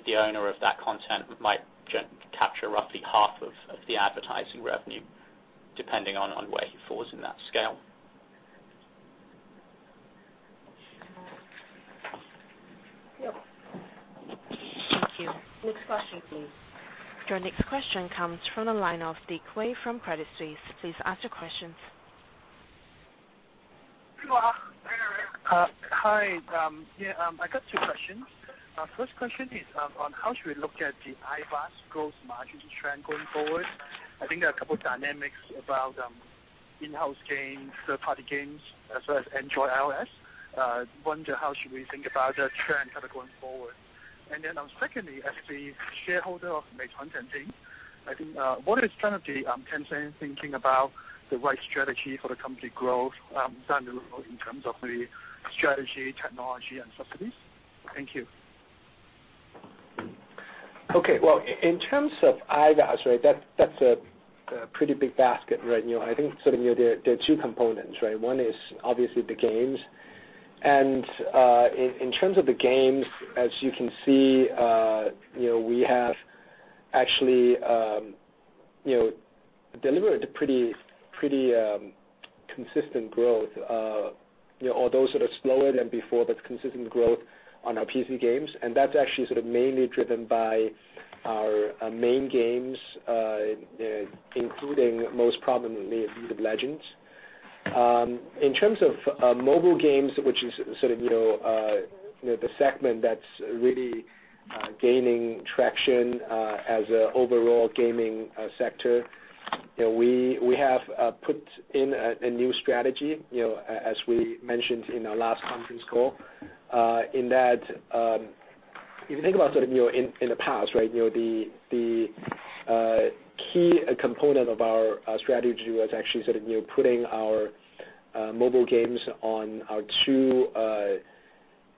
The owner of that content might capture roughly half of the advertising revenue, depending on where he falls in that scale. Thank you. Next question, please. Your next question comes from the line of Dick Wei from Credit Suisse. Please ask your questions. Hi. Yeah, I got 2 questions. First question is on how should we look at the IVAS growth margin trend going forward? I think there are a couple of dynamics about in-house games, third-party games, as well as Android OS. Wonder how should we think about the trend kind of going forward. Then secondly, as the shareholder of Meituan-Dianping, what is kind of the Tencent thinking about the right strategy for the company growth, down the road in terms of the strategy, technology, and subsidies? Thank you. Well, in terms of IVAS, that's a pretty big basket. I think sort of there are two components, right? One is obviously the games, and in terms of the games, as you can see we have actually delivered a pretty consistent growth. Although sort of slower than before, but consistent growth on our PC games, and that's actually sort of mainly driven by our main games, including most prominently League of Legends. In terms of mobile games, which is sort of the segment that's really gaining traction as an overall gaming sector, we have put in a new strategy, as we mentioned in our last conference call, in that, if you think about sort of in the past, the key component of our strategy was actually sort of putting our mobile games on our two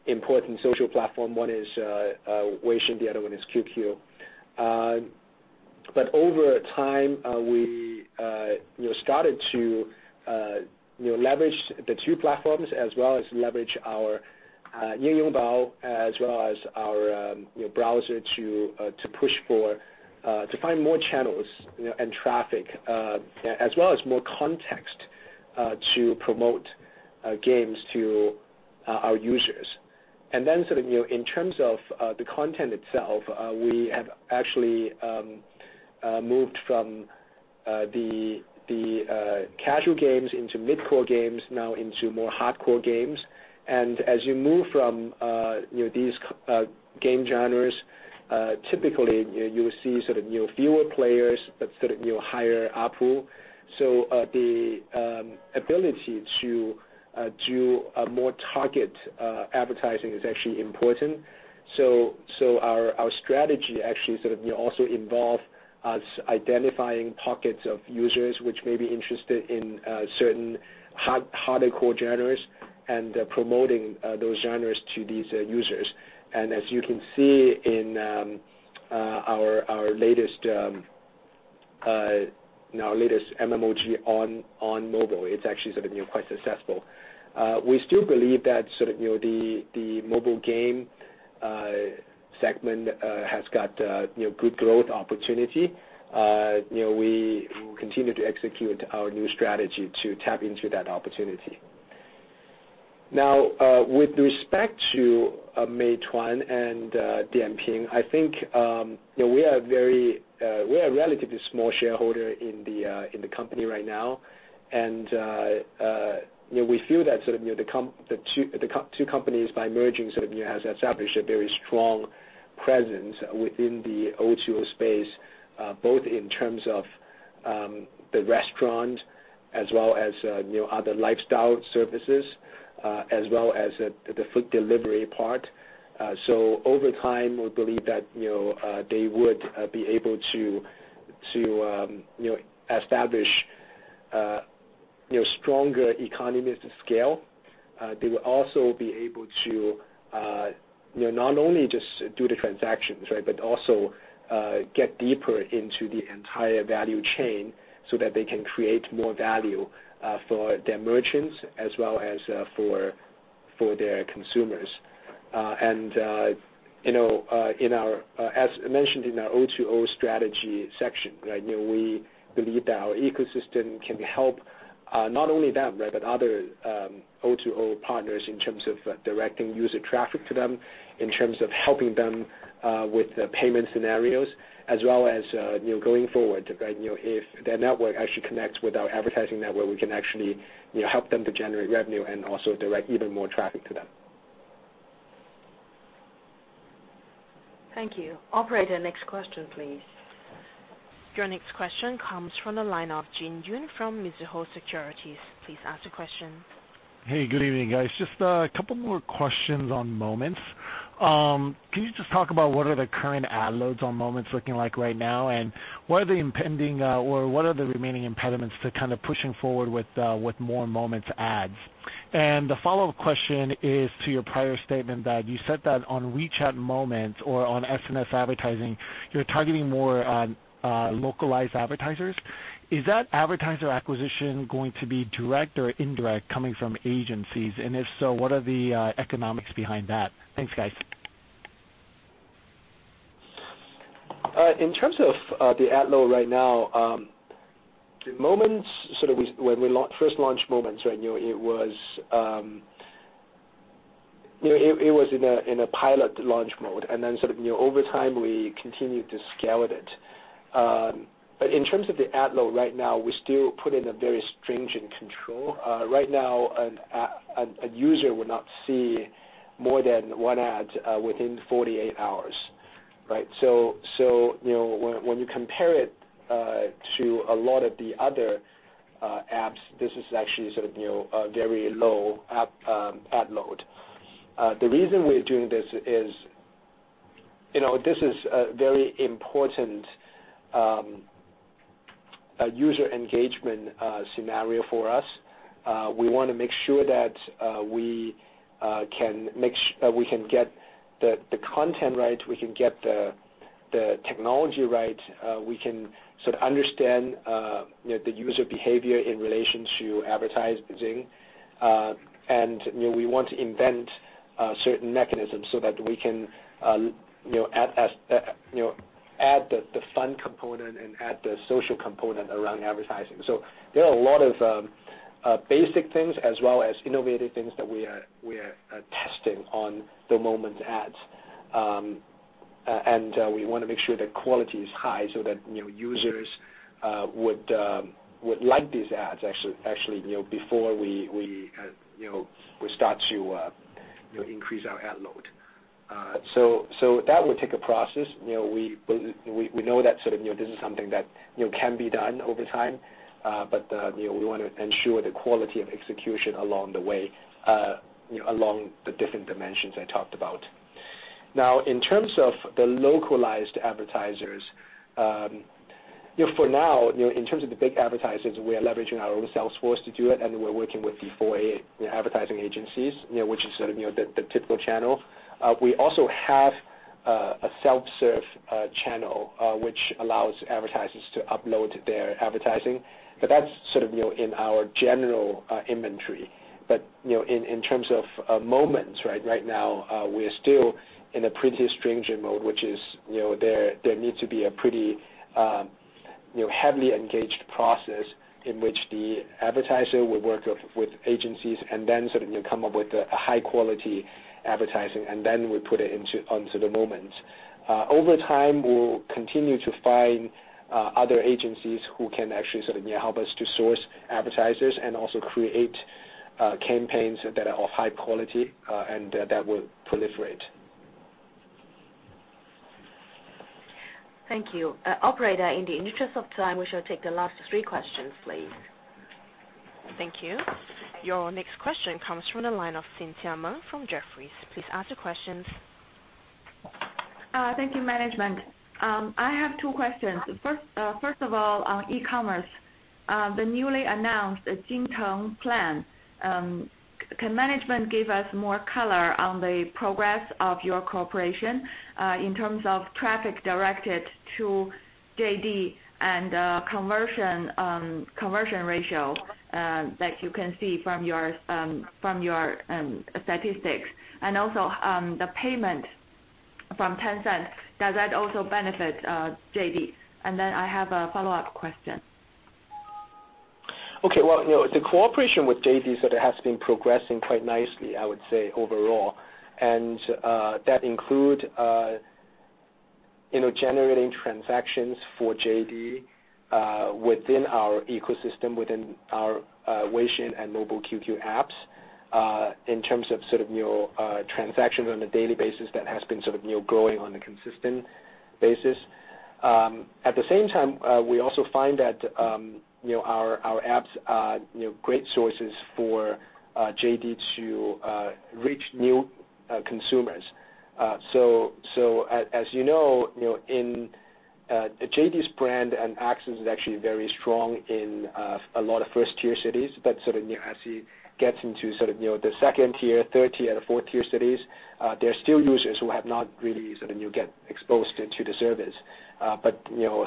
important social platform. One is WeChat, the other one is QQ. Over time, we started to leverage the two platforms as well as leverage our browser to push forward, to find more channels and traffic, as well as more context to promote games to our users. Then sort of in terms of the content itself, we have actually moved from the casual games into mid-core games, now into more hardcore games. As you move from these game genres, typically, you'll see sort of newer players, but sort of higher ARPU. The ability to do more target advertising is actually important. Our strategy actually sort of also involve us identifying pockets of users which may be interested in certain hardcore genres and promoting those genres to these users. As you can see in our latest MMOG on mobile, it's actually sort of quite successful. We still believe that sort of the mobile game segment has got good growth opportunity. We will continue to execute our new strategy to tap into that opportunity. With respect to Meituan and Dianping, I think we are a relatively small shareholder in the company right now. We feel that sort of the two companies by merging sort of has established a very strong presence within the O2O space, both in terms of the restaurant as well as other lifestyle services, as well as the food delivery part. Over time, we believe that they would be able to establish stronger economies to scale. They will also be able to not only just do the transactions, but also get deeper into the entire value chain so that they can create more value for their merchants as well as for their consumers. As mentioned in our O2O strategy section, we believe that our ecosystem can help, not only them, but other O2O partners in terms of directing user traffic to them, in terms of helping them with payment scenarios, as well as going forward, if their network actually connects with our advertising network, we can actually help them to generate revenue and also direct even more traffic to them. Thank you. Operator, next question, please. Your next question comes from the line of Jin Yoon from Mizuho Securities. Please ask the question. Hey, good evening, guys. Just a couple more questions on Moments. Can you just talk about what are the current ad loads on Moments looking like right now? What are the remaining impediments to kind of pushing forward with more Moments ads? The follow-up question is to your prior statement that you said that on WeChat Moments or on SNS advertising, you're targeting more on localized advertisers. Is that advertiser acquisition going to be direct or indirect coming from agencies? If so, what are the economics behind that? Thanks, guys. In terms of the ad load right now, when we first launched Moments, it was in a pilot launch mode. Over time, we continued to scale it. In terms of the ad load right now, we still put in a very stringent control. Right now, a user would not see more than one ad within 48 hours. When you compare it to a lot of the other apps, this is actually sort of very low ad load. The reason we're doing this is, this is a very important user engagement scenario for us. We want to make sure that we can get the content right, we can get the technology right, we can sort of understand the user behavior in relation to advertising. We want to invent certain mechanisms so that we can add the fun component and add the social component around advertising. There are a lot of basic things as well as innovative things that we are testing on the Moments ads. We want to make sure that quality is high so that users would like these ads, actually, before we start to increase our ad load. That will take a process. We know that this is something that can be done over time. We want to ensure the quality of execution along the way, along the different dimensions I talked about. Now, in terms of the localized advertisers, for now, in terms of the big advertisers, we are leveraging our own sales force to do it, and we're working with the 4A advertising agencies, which is sort of the typical channel. We also have a self-serve channel, which allows advertisers to upload their advertising, but that's sort of in our general inventory. In terms of Moments, right now, we're still in a pretty stringent mode, which is there needs to be a pretty heavily engaged process in which the advertiser will work with agencies and then sort of come up with high-quality advertising, and then we put it onto the Moments. Over time, we'll continue to find other agencies who can actually sort of help us to source advertisers and also create campaigns that are of high quality, and that will proliferate. Thank you. Operator, in the interest of time, we shall take the last three questions, please. Thank you. Your next question comes from the line of Cynthia Meng from Jefferies. Please ask your questions. Thank you, management. I have two questions. First of all, on e-commerce, the newly announced JingTeng Plan, can management give us more color on the progress of your cooperation in terms of traffic directed to JD and conversion ratio that you can see from your statistics? Also, the payment from Tencent, does that also benefit JD? Then I have a follow-up question. Okay. Well, the cooperation with JD.com has been progressing quite nicely, I would say, overall. That includes generating transactions for JD.com within our ecosystem, within our Weixin and Mobile QQ apps, in terms of sort of transactions on a daily basis that has been sort of growing on a consistent basis. At the same time, we also find that our apps are great sources for JD.com to reach new consumers. As you know, JD.com's brand and access is actually very strong in a lot of 1st-tier cities, but sort of as you get into sort of the 2nd-tier, 3rd-tier, the 4th-tier cities, there are still users who have not really sort of get exposed to the service.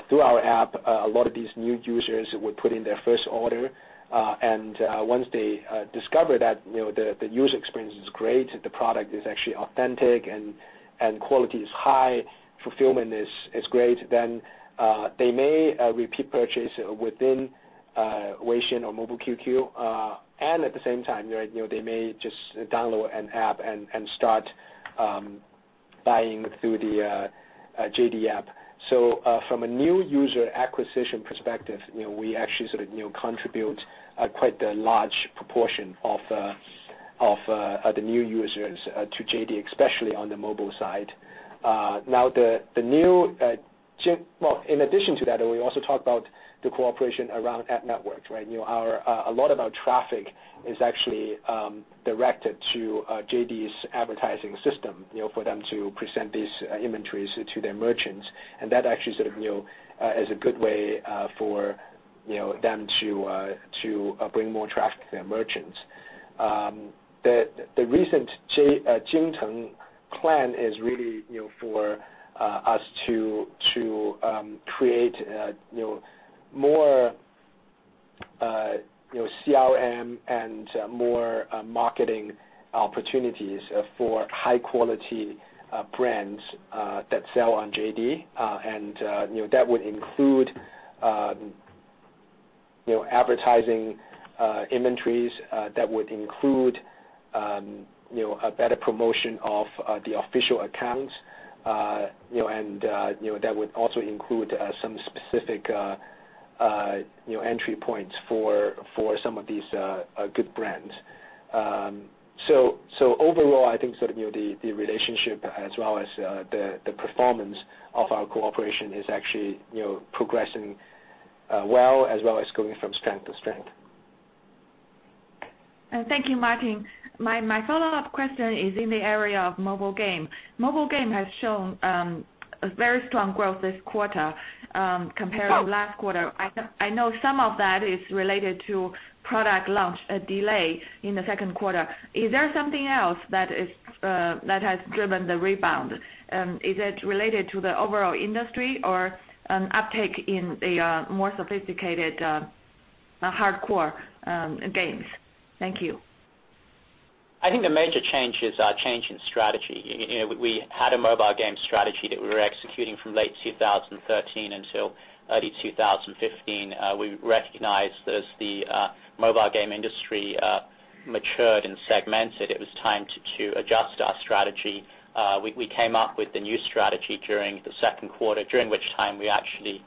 Through our app, a lot of these new users would put in their first order, and once they discover that the user experience is great, the product is actually authentic, and quality is high, fulfillment is great, then they may repeat purchase within Weixin or Mobile QQ. At the same time, they may just download an app and start buying through the JD.com app. From a new user acquisition perspective, we actually sort of contribute quite a large proportion of the new users to JD.com, especially on the mobile side. Well, in addition to that, we also talked about the cooperation around ad networks, right? A lot of our traffic is actually directed to JD.com's advertising system, for them to present these inventories to their merchants. That actually is a good way for them to bring more traffic to their merchants. The recent JingTeng Plan is really for us to create more CRM and more marketing opportunities for high-quality brands that sell on JD.com. That would include advertising inventories, that would include a better promotion of the official accounts, and that would also include some specific entry points for some of these good brands. Overall, I think the relationship as well as the performance of our cooperation is actually progressing well, as well as going from strength to strength. Thank you, Martin. My follow-up question is in the area of mobile game. Mobile game has shown very strong growth this quarter compared to last quarter. I know some of that is related to product launch delay in the second quarter. Is there something else that has driven the rebound? Is it related to the overall industry or an uptake in the more sophisticated hardcore games? Thank you. I think the major changes are change in strategy. We had a mobile game strategy that we were executing from late 2013 until early 2015. We recognized, as the mobile game industry matured and segmented, it was time to adjust our strategy. We came up with the new strategy during the second quarter, during which time we actually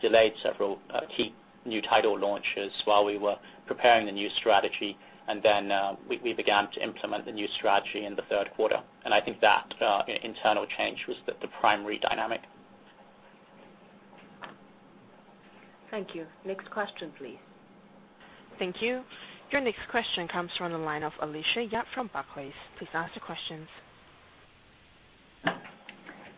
delayed several key new title launches while we were preparing the new strategy. Then we began to implement the new strategy in the third quarter. I think that internal change was the primary dynamic. Thank you. Next question, please. Thank you. Your next question comes from the line of Alicia Yap from Barclays. Please ask the questions.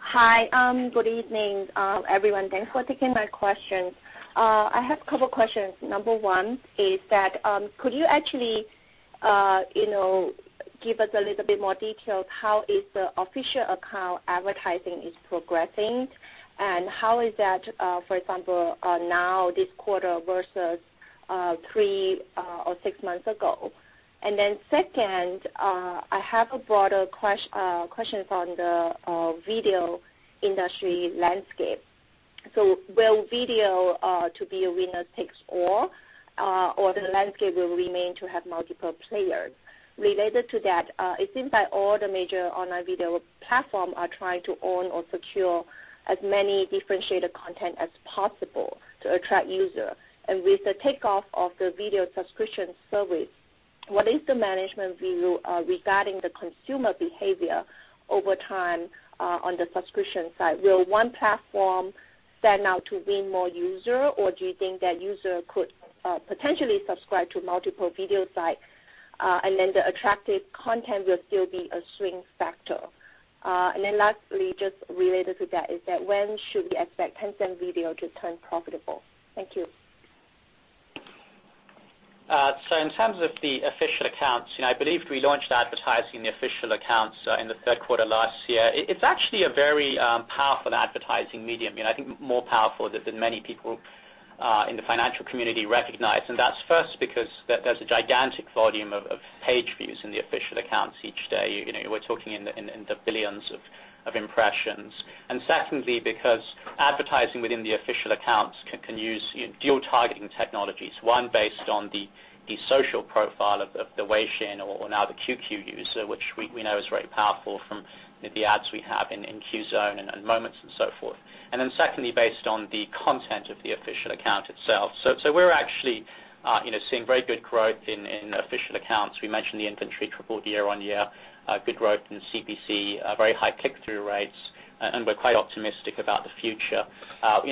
Hi. Good evening, everyone. Thanks for taking my questions. I have a couple questions. Number 1 is that, could you actually give us a little bit more detail how is the official account advertising is progressing, and how is that, for example, now this quarter versus three or six months ago? Second, I have a broader question from the video industry landscape. Will video to be a winner takes all, or the landscape will remain to have multiple players? Related to that, it seems that all the major online video platform are trying to own or secure as many differentiated content as possible to attract user. With the takeoff of the video subscription service, what is the management view regarding the consumer behavior over time on the subscription side? Will one platform stand out to win more user, or do you think that user could potentially subscribe to multiple video sites, then the attractive content will still be a swing factor? Lastly, just related to that, is that when should we expect Tencent Video to turn profitable? Thank you. In terms of the official accounts, I believe we launched advertising the official accounts in the third quarter last year. It is actually a very powerful advertising medium, I think more powerful than many people in the financial community recognize. That is first because there is a gigantic volume of page views in the official accounts each day. We are talking in the billions of impressions. Secondly, because advertising within the official accounts can use dual targeting technologies, one based on the social profile of the Weixin or now the QQ user, which we know is very powerful from the ads we have in Qzone and Moments and so forth. Then secondly, based on the content of the official account itself. We are actually seeing very good growth in official accounts. We mentioned the inventory tripled year-on-year, good growth in CPC, very high click-through rates. We are quite optimistic about the future.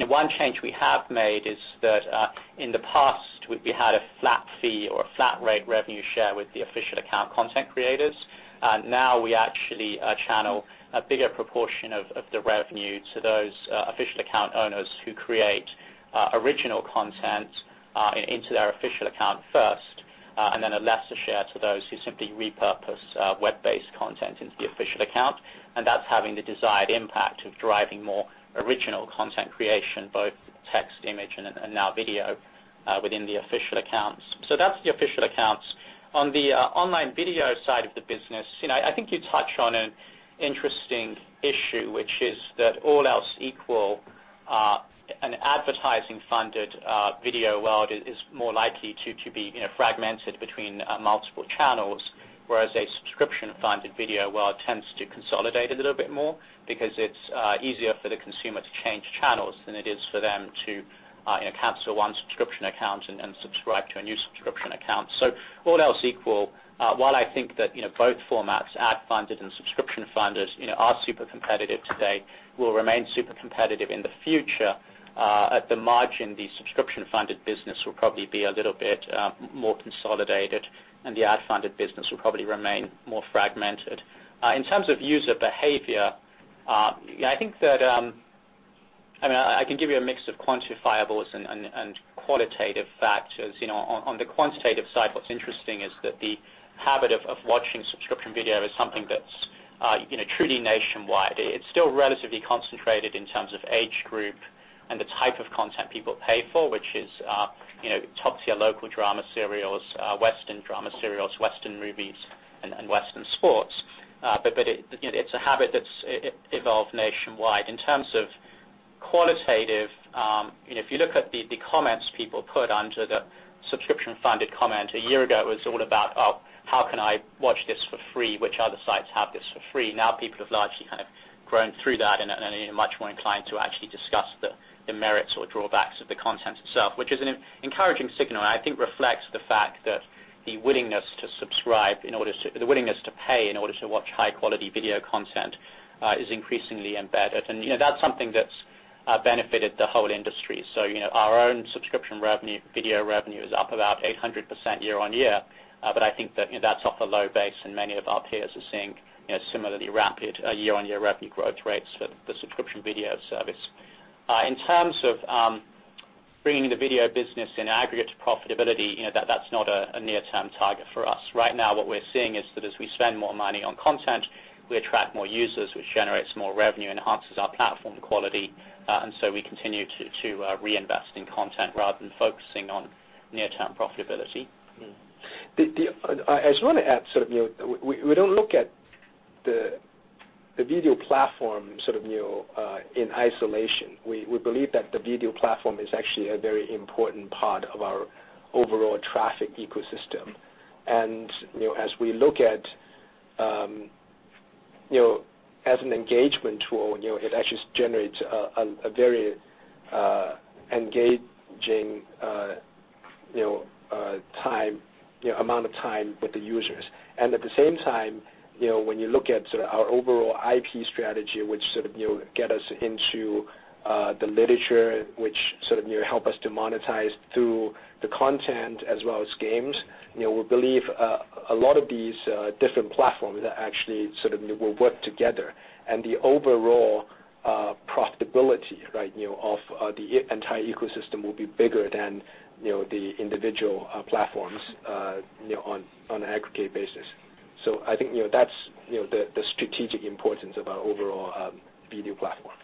One change we have made is that, in the past, we had a flat fee or a flat rate revenue share with the official account content creators. Now we actually channel a bigger proportion of the revenue to those official account owners who create original content into their official account first, then a lesser share to those who simply repurpose web-based content into the official account. That is having the desired impact of driving more original content creation, both text, image, and now video, within the official accounts. That is the official accounts. On the online video side of the business, I think you touch on an interesting issue, which is that all else equal, an advertising-funded video world is more likely to be fragmented between multiple channels, whereas a subscription-funded video world tends to consolidate a little bit more because it is easier for the consumer to change channels than it is for them to cancel one subscription account and subscribe to a new subscription account. All else equal, while I think that both formats, ad funded and subscription funders are super competitive today, will remain super competitive in the future. At the margin, the subscription-funded business will probably be a little bit more consolidated, the ad-funded business will probably remain more fragmented. In terms of user behavior, I can give you a mix of quantifiables and qualitative factors. On the quantitative side, what is interesting is that the habit of watching subscription video is something that is truly nationwide. It is still relatively concentrated in terms of age group and the type of content people pay for, which is top-tier local drama serials, Western drama serials, Western movies, and Western sports. It is a habit that has evolved nationwide. In terms of qualitative, if you look at the comments people put under the subscription-funded comment a year ago, it was all about, "Oh, how can I watch this for free? Which other sites have this for free?" Now, people have largely kind of grown through that and are much more inclined to actually discuss the merits or drawbacks of the content itself, which is an encouraging signal, and I think reflects the fact that the willingness to pay in order to watch high-quality video content is increasingly embedded. That's something that's benefited the whole industry. Our own subscription video revenue is up about 800% year-on-year. I think that's off a low base, and many of our peers are seeing similarly rapid year-on-year revenue growth rates for the subscription video service. In terms of bringing the video business in aggregate to profitability, that's not a near-term target for us. Right now, what we're seeing is that as we spend more money on content, we attract more users, which generates more revenue, enhances our platform quality, we continue to reinvest in content rather than focusing on near-term profitability. I just want to add, we don't look at the video platform in isolation. We believe that the video platform is actually a very important part of our overall traffic ecosystem. As we look at, as an engagement tool, it actually generates a very engaging amount of time with the users. At the same time, when you look at our overall IP strategy, which get us into the literature, which help us to monetize through the content as well as games, we believe a lot of these different platforms actually will work together, and the overall profitability of the entire ecosystem will be bigger than the individual platforms on an aggregate basis. I think that's the strategic importance of our overall video platform.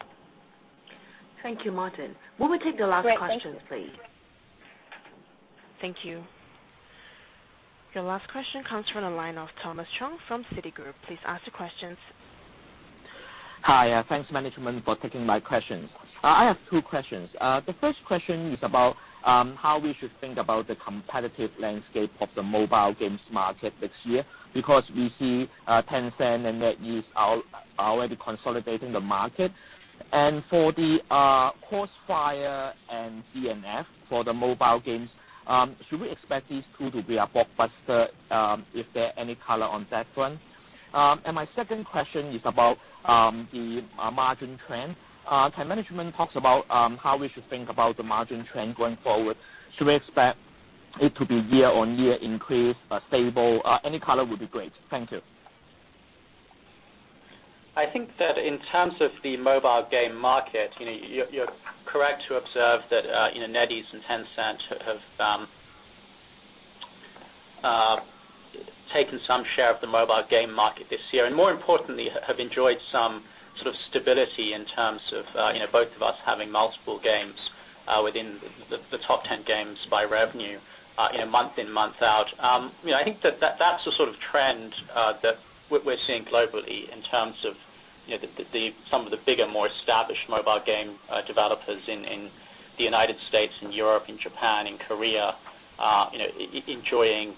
Thank you, Martin. May we take the last question, please? Great. Thank you. Thank you. Your last question comes from the line of Thomas Chong from Citigroup. Please ask your questions. Hi. Thanks management for taking my questions. I have two questions. The first question is about how we should think about the competitive landscape of the mobile games market this year, because we see Tencent and NetEase already consolidating the market. For the CrossFire and DNF for the mobile games, should we expect these two to be a blockbuster, if there is any color on that one? My second question is about the margin trend. Can management talk about how we should think about the margin trend going forward? Should we expect it to be year-on-year increase or stable? Any color would be great. Thank you. I think that in terms of the mobile game market, you are correct to observe that NetEase and Tencent have taken some share of the mobile game market this year, and more importantly, have enjoyed some sort of stability in terms of both of us having multiple games within the top 10 games by revenue month-in, month-out. I think that is the sort of trend that we are seeing globally in terms of some of the bigger, more established mobile game developers in the United States, in Europe, in Japan, in Korea, enjoying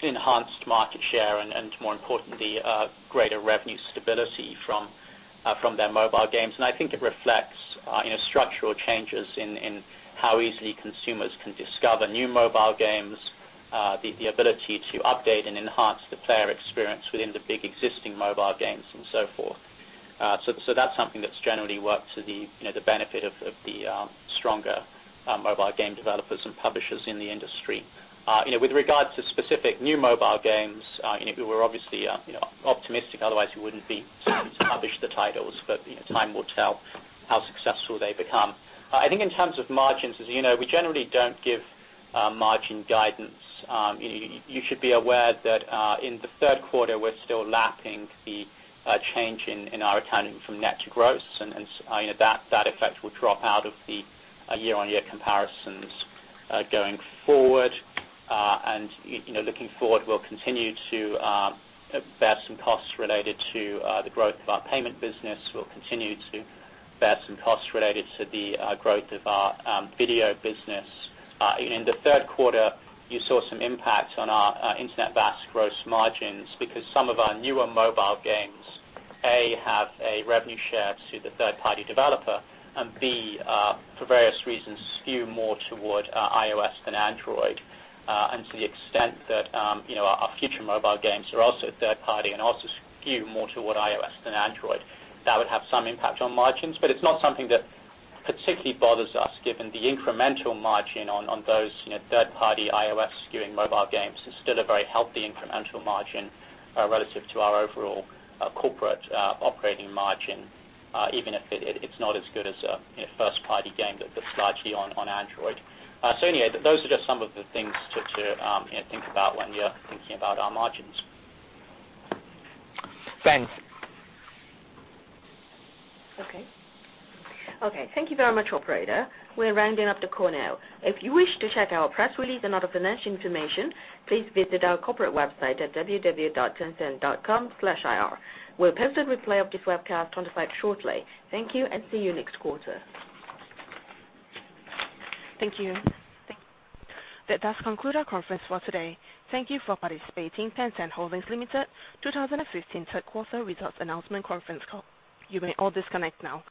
enhanced market share and more importantly, greater revenue stability from their mobile games. I think it reflects structural changes in how easily consumers can discover new mobile games, the ability to update and enhance the player experience within the big existing mobile games and so forth. That is something that is generally worked to the benefit of the stronger mobile game developers and publishers in the industry. With regards to specific new mobile games, we are obviously optimistic, otherwise we would not be publishing the titles. Time will tell how successful they become. I think in terms of margins, as you know, we generally do not give margin guidance. You should be aware that in the third quarter, we are still lapping the change in our accounting from net to gross, and that effect will drop out of the year-on-year comparisons going forward. Looking forward, we will continue to bear some costs related to the growth of our payment business. We will continue to bear some costs related to the growth of our video business. In the third quarter, you saw some impact on our Internet-based gross margins because some of our newer mobile games, A, have a revenue share to the third-party developer, and B, for various reasons, skew more toward iOS than Android. To the extent that our future mobile games are also third party and also skew more toward iOS than Android, that would have some impact on margins, but it is not something that particularly bothers us given the incremental margin on those third-party iOS-skewing mobile games is still a very healthy incremental margin relative to our overall corporate operating margin, even if it is not as good as a first-party game that is largely on Android. Anyway, those are just some of the things to think about when you are thinking about our margins. Thanks. Okay. Thank you very much, operator. We're rounding up the call now. If you wish to check our press release and other financial information, please visit our corporate website at www.tencent.com/ir. We'll post a replay of this webcast on the site shortly. Thank you, and see you next quarter. Thank you. That does conclude our conference for today. Thank you for participating. Tencent Holdings Limited 2015 third quarter results announcement conference call. You may all disconnect now.